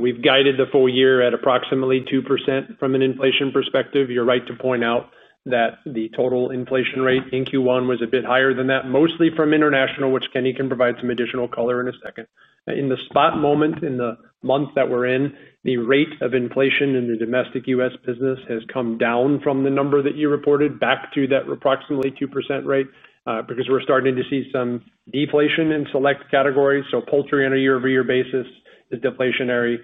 C: We've guided the full year at approximately 2% from an inflation perspective. You're right to point out that the total inflation rate in Q1 was a bit higher than that, mostly from international, which Kenny can provide some additional color in a second. In the spot moment in the month that we're in, the rate of inflation in the domestic U.S. business has come down from the number that you reported back to that approximately 2% rate because we're starting to see some deflation in select categories. Poultry on a year-over-year basis is deflationary.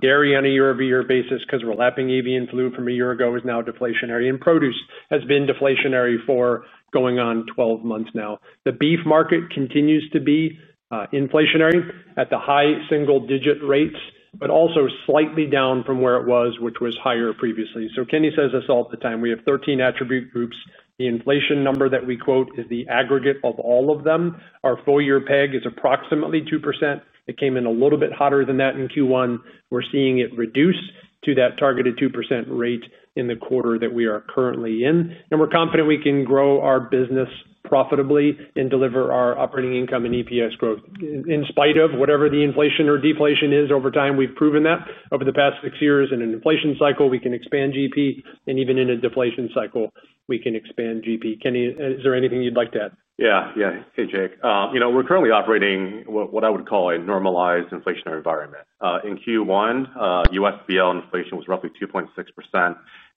C: Dairy on a year-over-year basis, because we're lapping avian flu from a year ago, is now deflationary. Produce has been deflationary for going on 12 months now. The beef market continues to be inflationary at the high single-digit rates, but also slightly down from where it was, which was higher previously. Kenny says this all the time. We have 13 attribute groups. The inflation number that we quote is the aggregate of all of them. Our full-year PEG is approximately 2%. It came in a little bit hotter than that in Q1. We're seeing it reduce to that targeted 2% rate in the quarter that we are currently in. We're confident we can grow our business profitably and deliver our operating income and EPS growth in spite of whatever the inflation or deflation is over time. We've proven that over the past six years in an inflation cycle, we can expand GP, and even in a deflation cycle, we can expand GP. Kenny, is there anything you'd like to add?
D: Yeah, yeah. Hey, Jake. You know, we're currently operating what I would call a normalized inflationary environment. In Q1, US Broadline inflation was roughly 2.6%.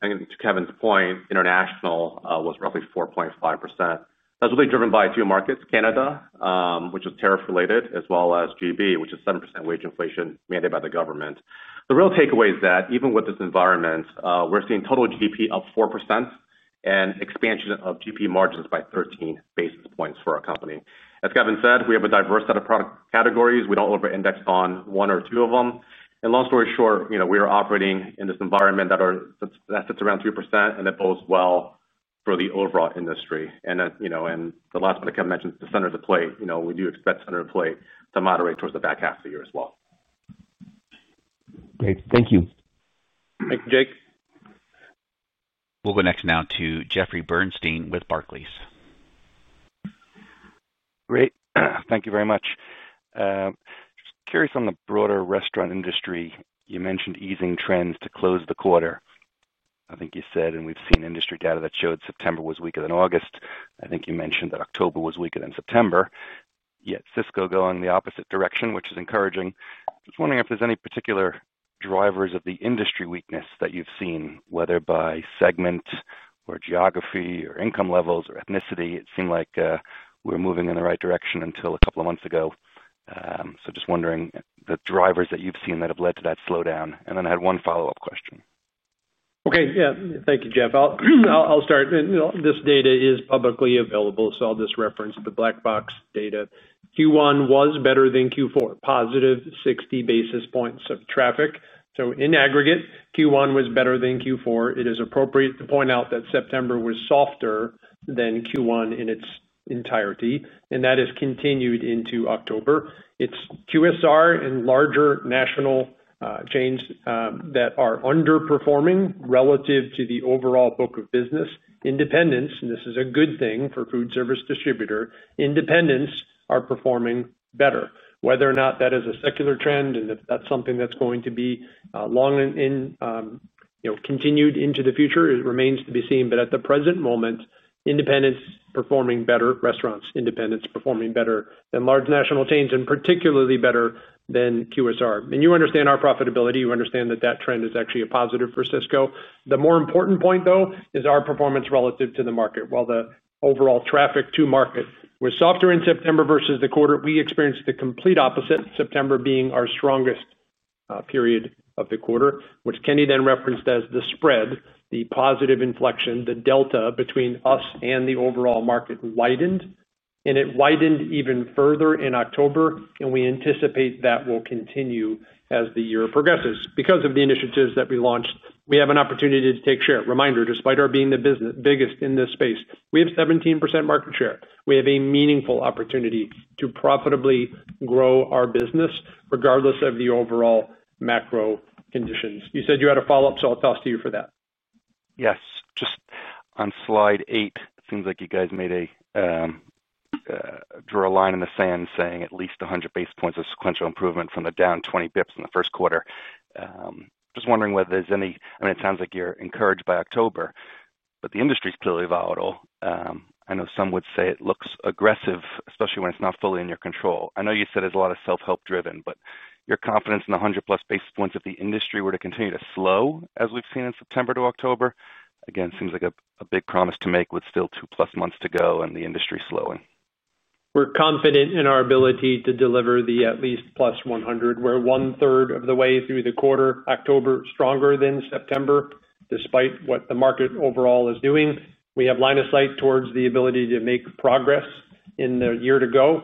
D: And to Kevin's point, international was roughly 4.5%. That's really driven by a few markets, Canada, which was tariff-related, as well as GP, which is 7% wage inflation mandated by the government. The real takeaway is that even with this environment, we're seeing total GP up 4% and expansion of GP margins by 13 basis points for our company. As Kevin said, we have a diverse set of product categories. We don't over-index on one or two of them. Long story short, you know, we are operating in this environment that sits around 3% and it bodes well for the overall industry. The last point that Kevin mentioned, the center of the plate, you know, we do expect the center of the plate to moderate towards the back half of the year as well.
H: Great, thank you.
C: Thank you, Jake.
A: We'll go next to Jeffrey Bernstein with Barclays.
I: Great, thank you very much. Just curious on the broader restaurant industry. You mentioned easing trends to close the quarter. I think you said, and we've seen industry data that showed September was weaker than August. I think you mentioned that October was weaker than September. Yet Sysco is going the opposite direction, which is encouraging. Just wondering if there's any particular drivers of the industry weakness that you've seen, whether by segment or geography or income levels or ethnicity. It seemed like we were moving in the right direction until a couple of months ago. Just wondering the drivers that you've seen that have led to that slowdown. I had one follow-up question.
C: Okay, yeah, thank you, Jeff. I'll start. This data is publicly available, so I'll just reference the black box data. Q1 was better than Q4, positive 60 basis points of traffic. In aggregate, Q1 was better than Q4. It is appropriate to point out that September was softer than Q1 in its entirety, and that has continued into October. It's QSR and larger national chains that are underperforming relative to the overall book of business. Independents, and this is a good thing for a food service distributor, independents are performing better. Whether or not that is a secular trend and if that's something that's going to be long continued into the future, it remains to be seen. At the present moment, independents are performing better, restaurants, independents are performing better than large national chains, and particularly better than QSR. You understand our profitability. You understand that that trend is actually a positive for Sysco. The more important point, though, is our performance relative to the market. While the overall traffic to market was softer in September versus the quarter, we experienced the complete opposite, September being our strongest period of the quarter, which Kenny then referenced as the spread, the positive inflection, the delta between us and the overall market widened. It widened even further in October, and we anticipate that will continue as the year progresses. Because of the initiatives that we launched, we have an opportunity to take share. Reminder, despite our being the biggest in this space, we have 17% market share. We have a meaningful opportunity to profitably grow our business regardless of the overall macro conditions. You said you had a follow-up, so I'll toss to you for that.
I: Yes, just on slide eight, it seems like you guys made a draw a line in the sand saying at least 100 basis points of sequential improvement from the down 20 bps in the first quarter. Just wondering whether there's any, I mean, it sounds like you're encouraged by October, but the industry is clearly volatile. I know some would say it looks aggressive, especially when it's not fully in your control. I know you said it's a lot of self-help driven, but your confidence in the 100+ basis points if the industry were to continue to slow as we've seen in September to October, again, seems like a big promise to make with still 2+ months to go and the industry slowing.
C: We're confident in our ability to deliver the at least +100. We're one third of the way through the quarter. October stronger than September, despite what the market overall is doing. We have line of sight towards the ability to make progress in the year to go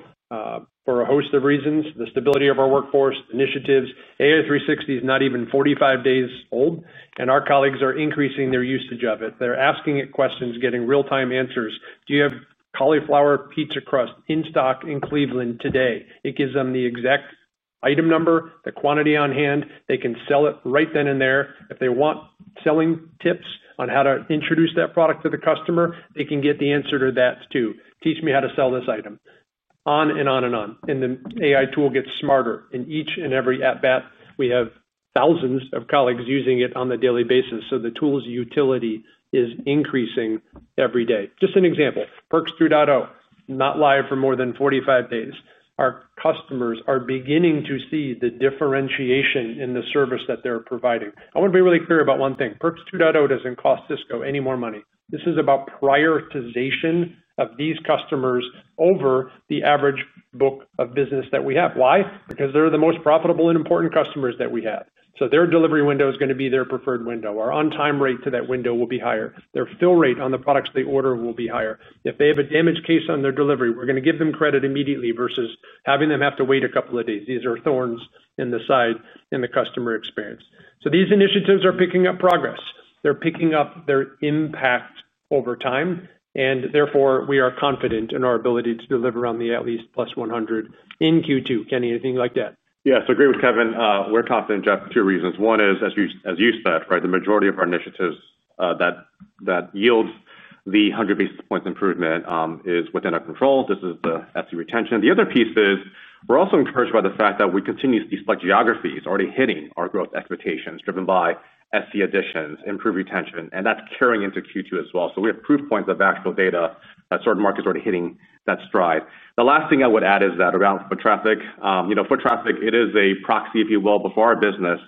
C: for a host of reasons. The stability of our workforce initiatives, AI 360 is not even 45 days old, and our colleagues are increasing their usage of it. They're asking it questions, getting real-time answers. Do you have cauliflower pizza crust in stock in Cleveland today? It gives them the exact item number, the quantity on hand. They can sell it right then and there. If they want selling tips on how to introduce that product to the customer, they can get the answer to that too. Teach me how to sell this item, on and on and on. The AI tool gets smarter. In each and every at bat, we have thousands of colleagues using it on a daily basis. The tool's utility is increasing every day. Just an example, Perks 2.0, not live for more than 45 days. Our customers are beginning to see the differentiation in the service that they're providing. I want to be really clear about one thing. Perks 2.0 doesn't cost Sysco any more money. This is about prioritization of these customers over the average book of business that we have. Why? Because they're the most profitable and important customers that we have. Their delivery window is going to be their preferred window. Our on-time rate to that window will be higher. Their fill rate on the products they order will be higher. If they have a damaged case on their delivery, we're going to give them credit immediately versus having them have to wait a couple of days. These are thorns in the side in the customer experience. These initiatives are picking up progress. They're picking up their impact over time, and therefore we are confident in our ability to deliver on the at least +100 in Q2. Kenny, anything you'd like to add?
D: Yeah, I agree with Kevin. We're confident, Jeff, for two reasons. One is, as you said, the majority of our initiatives that yield the 100 basis points improvement is within our control. This is the SE retention. The other piece is we're also encouraged by the fact that we continue to see select geographies already hitting our growth expectations, driven by SE additions, improved retention, and that's carrying into Q2 as well. We have proof points of actual data that certain markets are already hitting that stride. The last thing I would add is about foot traffic. Foot traffic is a proxy, if you will, for our business.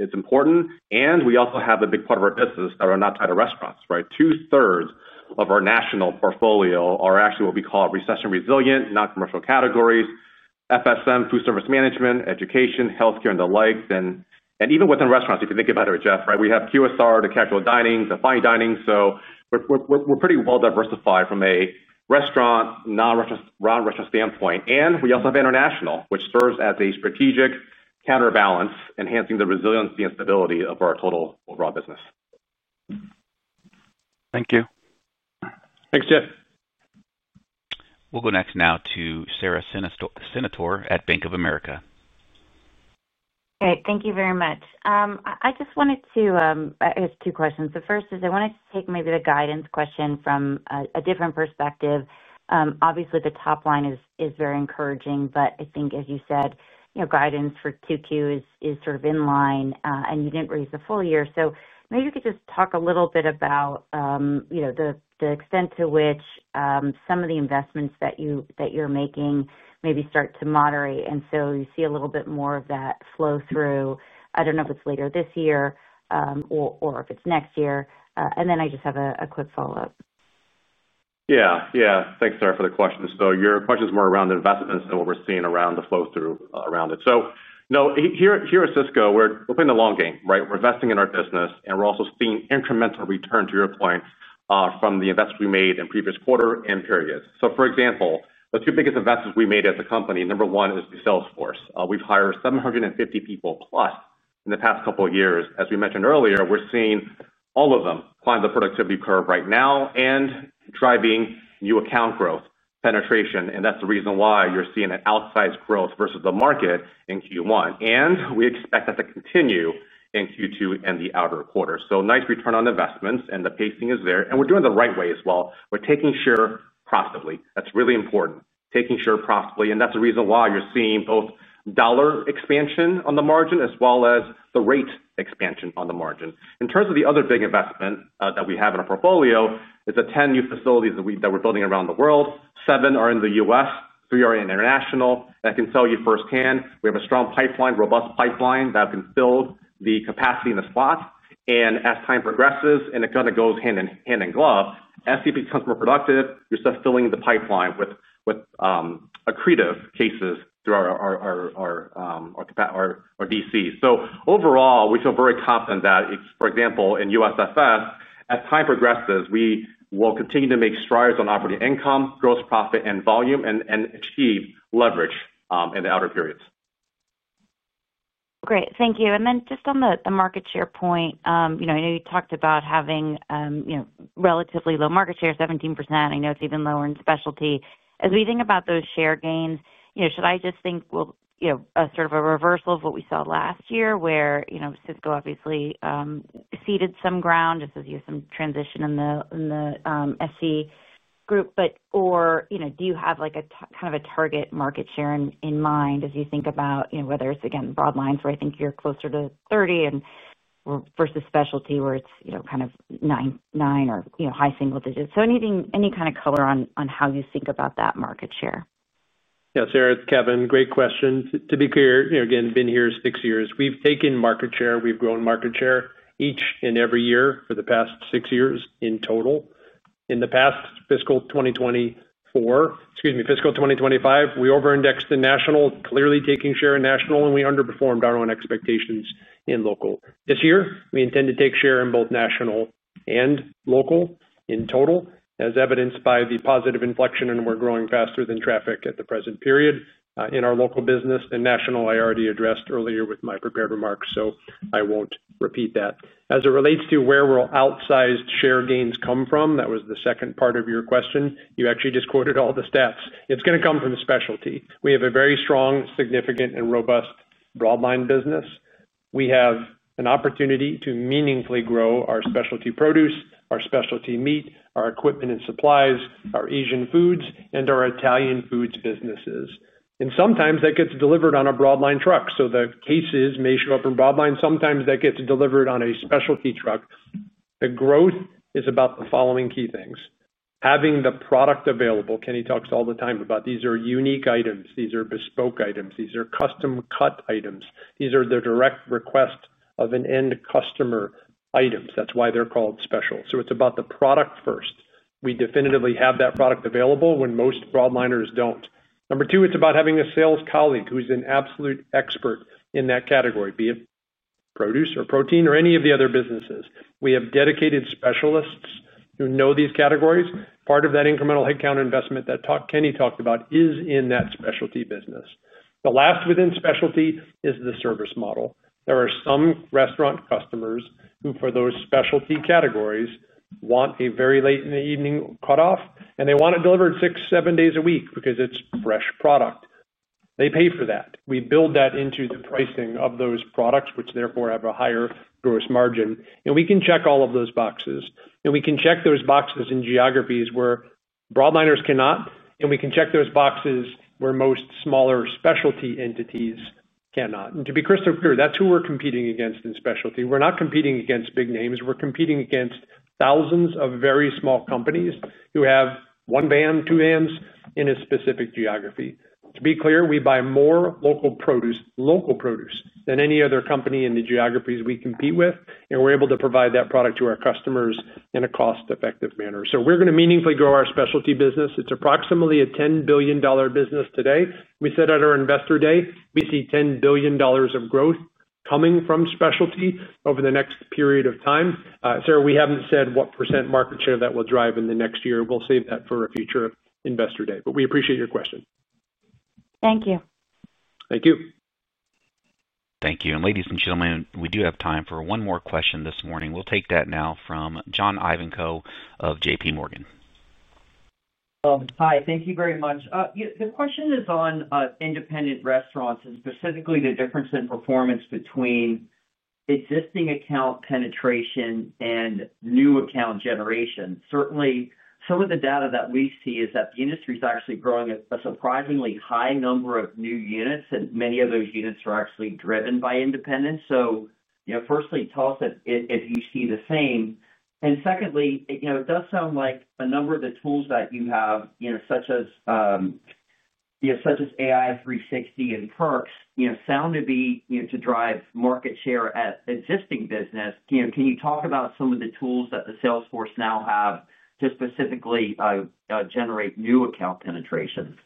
D: It's important. We also have a big part of our business that are not tied to restaurants. Two thirds of our national portfolio are actually what we call recession-resilient, non-commercial categories: FSM, food service management, education, healthcare, and the like. Even within restaurants, if you think about it, Jeff, we have QSR, the casual dining, the fine dining. We're pretty well diversified from a restaurant, non-restaurant, and restaurant standpoint. We also have international, which serves as a strategic counterbalance, enhancing the resiliency and stability of our total overall business.
I: Thank you.
C: Thanks, Jeff.
A: We'll go next now to Sara Senatore at Bank of America.
J: Thank you very much. I just wanted to, I guess, two questions. The first is I wanted to take maybe the guidance question from a different perspective. Obviously, the top line is very encouraging, but I think, as you said, you know, guidance for Q2 is sort of in line, and you didn't raise the full year. Maybe you could just talk a little bit about the extent to which some of the investments that you're making maybe start to moderate, and you see a little bit more of that flow through. I don't know if it's later this year or if it's next year. I just have a quick follow-up.
D: Thank you, Sarah, for the question. Your question is more around the investments and what we're seeing around the flow through around it. Here at Sysco, we're playing the long game, right? We're investing in our business, and we're also seeing incremental return to our clients from the investments we made in the previous quarter and period. For example, the two biggest investments we made as a company, number one is the Salesforce. We've hired 750+ people in the past couple of years. As we mentioned earlier, we're seeing all of them climb the productivity curve right now and driving new account growth penetration. That's the reason why you're seeing an outsized growth versus the market in Q1. We expect that to continue in Q2 and the outer quarter. Nice return on investments, and the pacing is there. We're doing it the right way as well. We're taking share profitably. That's really important. Taking share profitably. That's the reason why you're seeing both dollar expansion on the margin as well as the rate expansion on the margin. In terms of the other big investment that we have in our portfolio, it's the 10 new facilities that we're building around the world. Seven are in the U.S., three are international. I can tell you firsthand, we have a strong pipeline, robust pipeline that can fill the capacity in the slots. As time progresses and it kind of goes hand in hand in glove, as CP customer productive, you're still filling the pipeline with accretive cases through our DC. Overall, we feel very confident that, for example, in USFS, as time progresses, we will continue to make strides on operating income, gross profit, and volume and achieve leverage in the outer periods.
J: Great, thank you. Just on the market share point, I know you talked about having relatively low market share, 17%. I know it's even lower in specialty. As we think about those share gains, should I just think a sort of a reversal of what we saw last year where Sysco obviously ceded some ground, just as you have some transition in the SE group? Do you have a kind of a target market share in mind as you think about whether it's, again, the broad lines where I think you're closer to 30% versus specialty where it's kind of 9% or high single digits? Anything, any kind of color on how you think about that market share?
C: Yeah, Sarah, it's Kevin. Great question. To be clear, you know, again, been here six years. We've taken market share. We've grown market share each and every year for the past six years in total. In the past fiscal 2024, excuse me, fiscal 2025, we over-indexed in national, clearly taking share in national, and we underperformed our own expectations in local. This year, we intend to take share in both national and local in total, as evidenced by the positive inflection, and we're growing faster than traffic at the present period in our local business. National, I already addressed earlier with my prepared remarks, so I won't repeat that. As it relates to where will outsized share gains come from, that was the second part of your question. You actually just quoted all the stats. It's going to come from specialty. We have a very strong, significant, and robust broadline business. We have an opportunity to meaningfully grow our specialty produce, our specialty meat, our equipment and supplies, our Asian foods, and our Italian foods businesses. Sometimes that gets delivered on a broadline truck, so the cases may show up in broadline. Sometimes that gets delivered on a specialty truck. The growth is about the following key things. Having the product available. Kenny talks all the time about these are unique items. These are bespoke items. These are custom-cut items. These are the direct request of an end customer items. That's why they're called special. It's about the product first. We definitively have that product available when most broadliners don't. Number two, it's about having a sales colleague who's an absolute expert in that category, be it produce or protein or any of the other businesses. We have dedicated specialists who know these categories. Part of that incremental headcount investment that Kenny talked about is in that specialty business. The last within specialty is the service model. There are some restaurant customers who, for those specialty categories, want a very late in the evening cutoff, and they want it delivered six, seven days a week because it's fresh product. They pay for that. We build that into the pricing of those products, which therefore have a higher gross margin. We can check all of those boxes. We can check those boxes in geographies where broadliners cannot, and we can check those boxes where most smaller specialty entities cannot. To be crystal clear, that's who we're competing against in specialty. We're not competing against big names. We're competing against thousands of very small companies who have one van, two vans in a specific geography. To be clear, we buy more local produce than any other company in the geographies we compete with, and we're able to provide that product to our customers in a cost-effective manner. We are going to meaningfully grow our specialty business. It's approximately a $10 billion business today. We said at our investor day, we see $10 billion of growth coming from specialty over the next period of time. Sarah, we haven't said what percent market share that will drive in the next year. We'll save that for a future investor day. We appreciate your question.
J: Thank you.
C: Thank you.
A: Thank you. Ladies and gentlemen, we do have time for one more question this morning. We'll take that now from John Ivankoe of JPMorgan.
K: Hi, thank you very much. The question is on independent restaurants and specifically the difference in performance between existing account penetration and new account generation. Certainly, some of the data that we see is that the industry is actually growing a surprisingly high number of new units, and many of those units are actually driven by independents. Firstly, tell us if you see the same. It does sound like a number of the tools that you have, such as AI 360 and Perks 2.0, sound to be to drive market share at existing business. Can you talk about some of the tools that the Salesforce now have to specifically generate new account penetrations?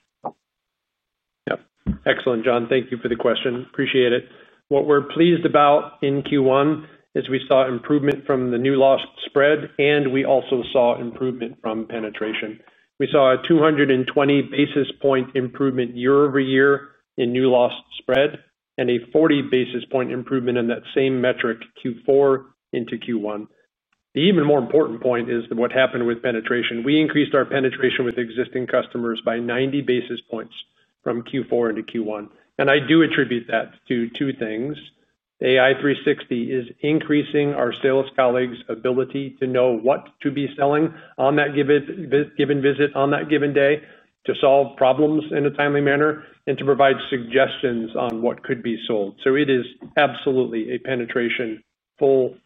C: Yeah, excellent, John. Thank you for the question. Appreciate it. What we're pleased about in Q1 is we saw improvement from the new loss spread, and we also saw improvement from penetration. We saw a 220 basis point improvement year over year in new loss spread and a 40 basis point improvement in that same metric Q4 into Q1. The even more important point is what happened with penetration. We increased our penetration with existing customers by 90 basis points from Q4 into Q1. I do attribute that to two things. AI 360 is increasing our sales colleagues' ability to know what to be selling on that given visit, on that given day, to solve problems in a timely manner, and to provide suggestions on what could be sold. It is absolutely a penetration-full,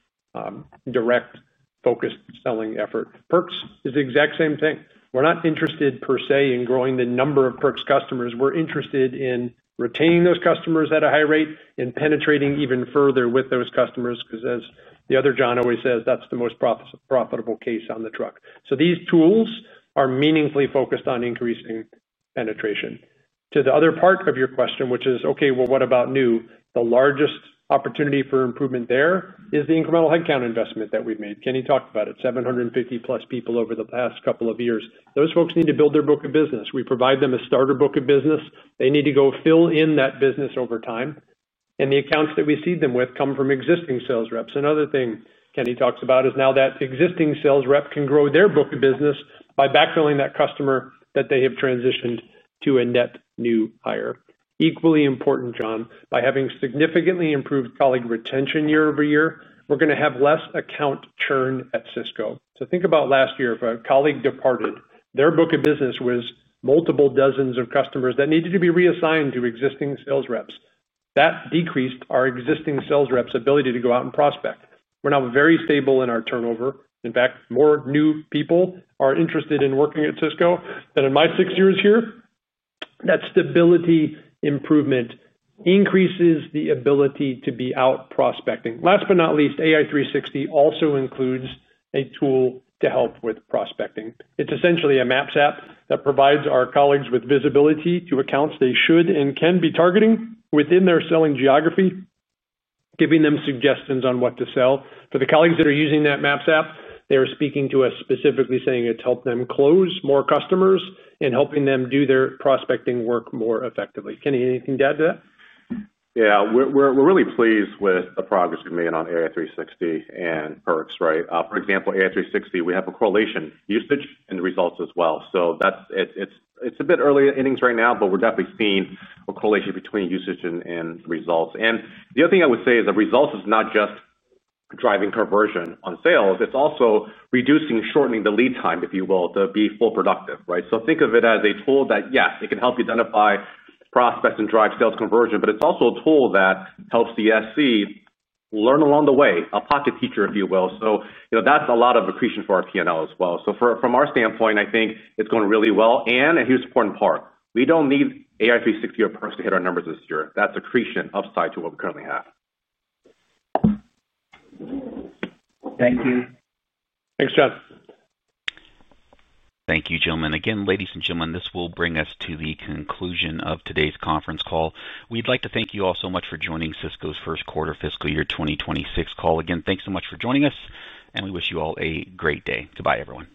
C: direct, focused selling effort. Perks is the exact same thing. We're not interested per se in growing the number of Perks customers. We're interested in retaining those customers at a high rate and penetrating even further with those customers because, as the other John always says, that's the most profitable case on the truck. These tools are meaningfully focused on increasing penetration. To the other part of your question, which is, okay, what about new? The largest opportunity for improvement there is the incremental headcount investment that we've made. Kenny talked about it, 750+ people over the past couple of years. Those folks need to build their book of business. We provide them a starter book of business. They need to go fill in that business over time. The accounts that we seed them with come from existing sales and another thing Kenny talks about is now that the existing sales rep can grow their book of business by backfilling that customer that they have transitioned to a net new hire. Equally important, John, by having significantly improved colleague retention year over year, we're going to have less account churn at Sysco. Think about last year. If a colleague departed, their book of business was multiple dozens of customers that needed to be reassigned to existing sales reps. That decreased our existing sales rep's ability to go out and prospect. We're now very stable in our turnover. In fact, more new people are interested in working at Sysco than in my six years here. That stability improvement increases the ability to be out prospecting. Last but not least, AI 360 also includes a tool to help with prospecting. It's essentially a maps app that provides our colleagues with visibility to accounts they should and can be targeting within their selling geography, giving them suggestions on what to sell. For the colleagues that are using that maps app, they are speaking to us specifically saying it's helped them close more customers and helping them do their prospecting work more effectively. Kenny, anything to add to that?
D: Yeah, we're really pleased with the progress we've made on AI 360 and Perks 2.0, right? For example, AI 360, we have a correlation between usage and results as well. It's a bit early innings right now, but we're definitely seeing a correlation between usage and results. The other thing I would say is the results are not just driving conversion on sales. It's also reducing, shortening the lead time, if you will, to be fully productive, right? Think of it as a tool that, yes, it can help you identify prospects and drive sales conversion, but it's also a tool that helps the SE learn along the way, a pocket teacher, if you will. That's a lot of accretion for our P&L as well. From our standpoint, I think it's going really well. Here's an important part. We don't need AI 360 or Perks 2.0 to hit our numbers this year. That's accretion upside to what we currently have.
K: Thank you.
C: Thanks, John.
A: Thank you, gentlemen. Again, ladies and gentlemen, this will bring us to the conclusion of today's conference call. We'd like to thank you all so much for joining Sysco's first quarter fiscal year 2026 call. Again, thanks so much for joining us, and we wish you all a great day. Goodbye, everyone.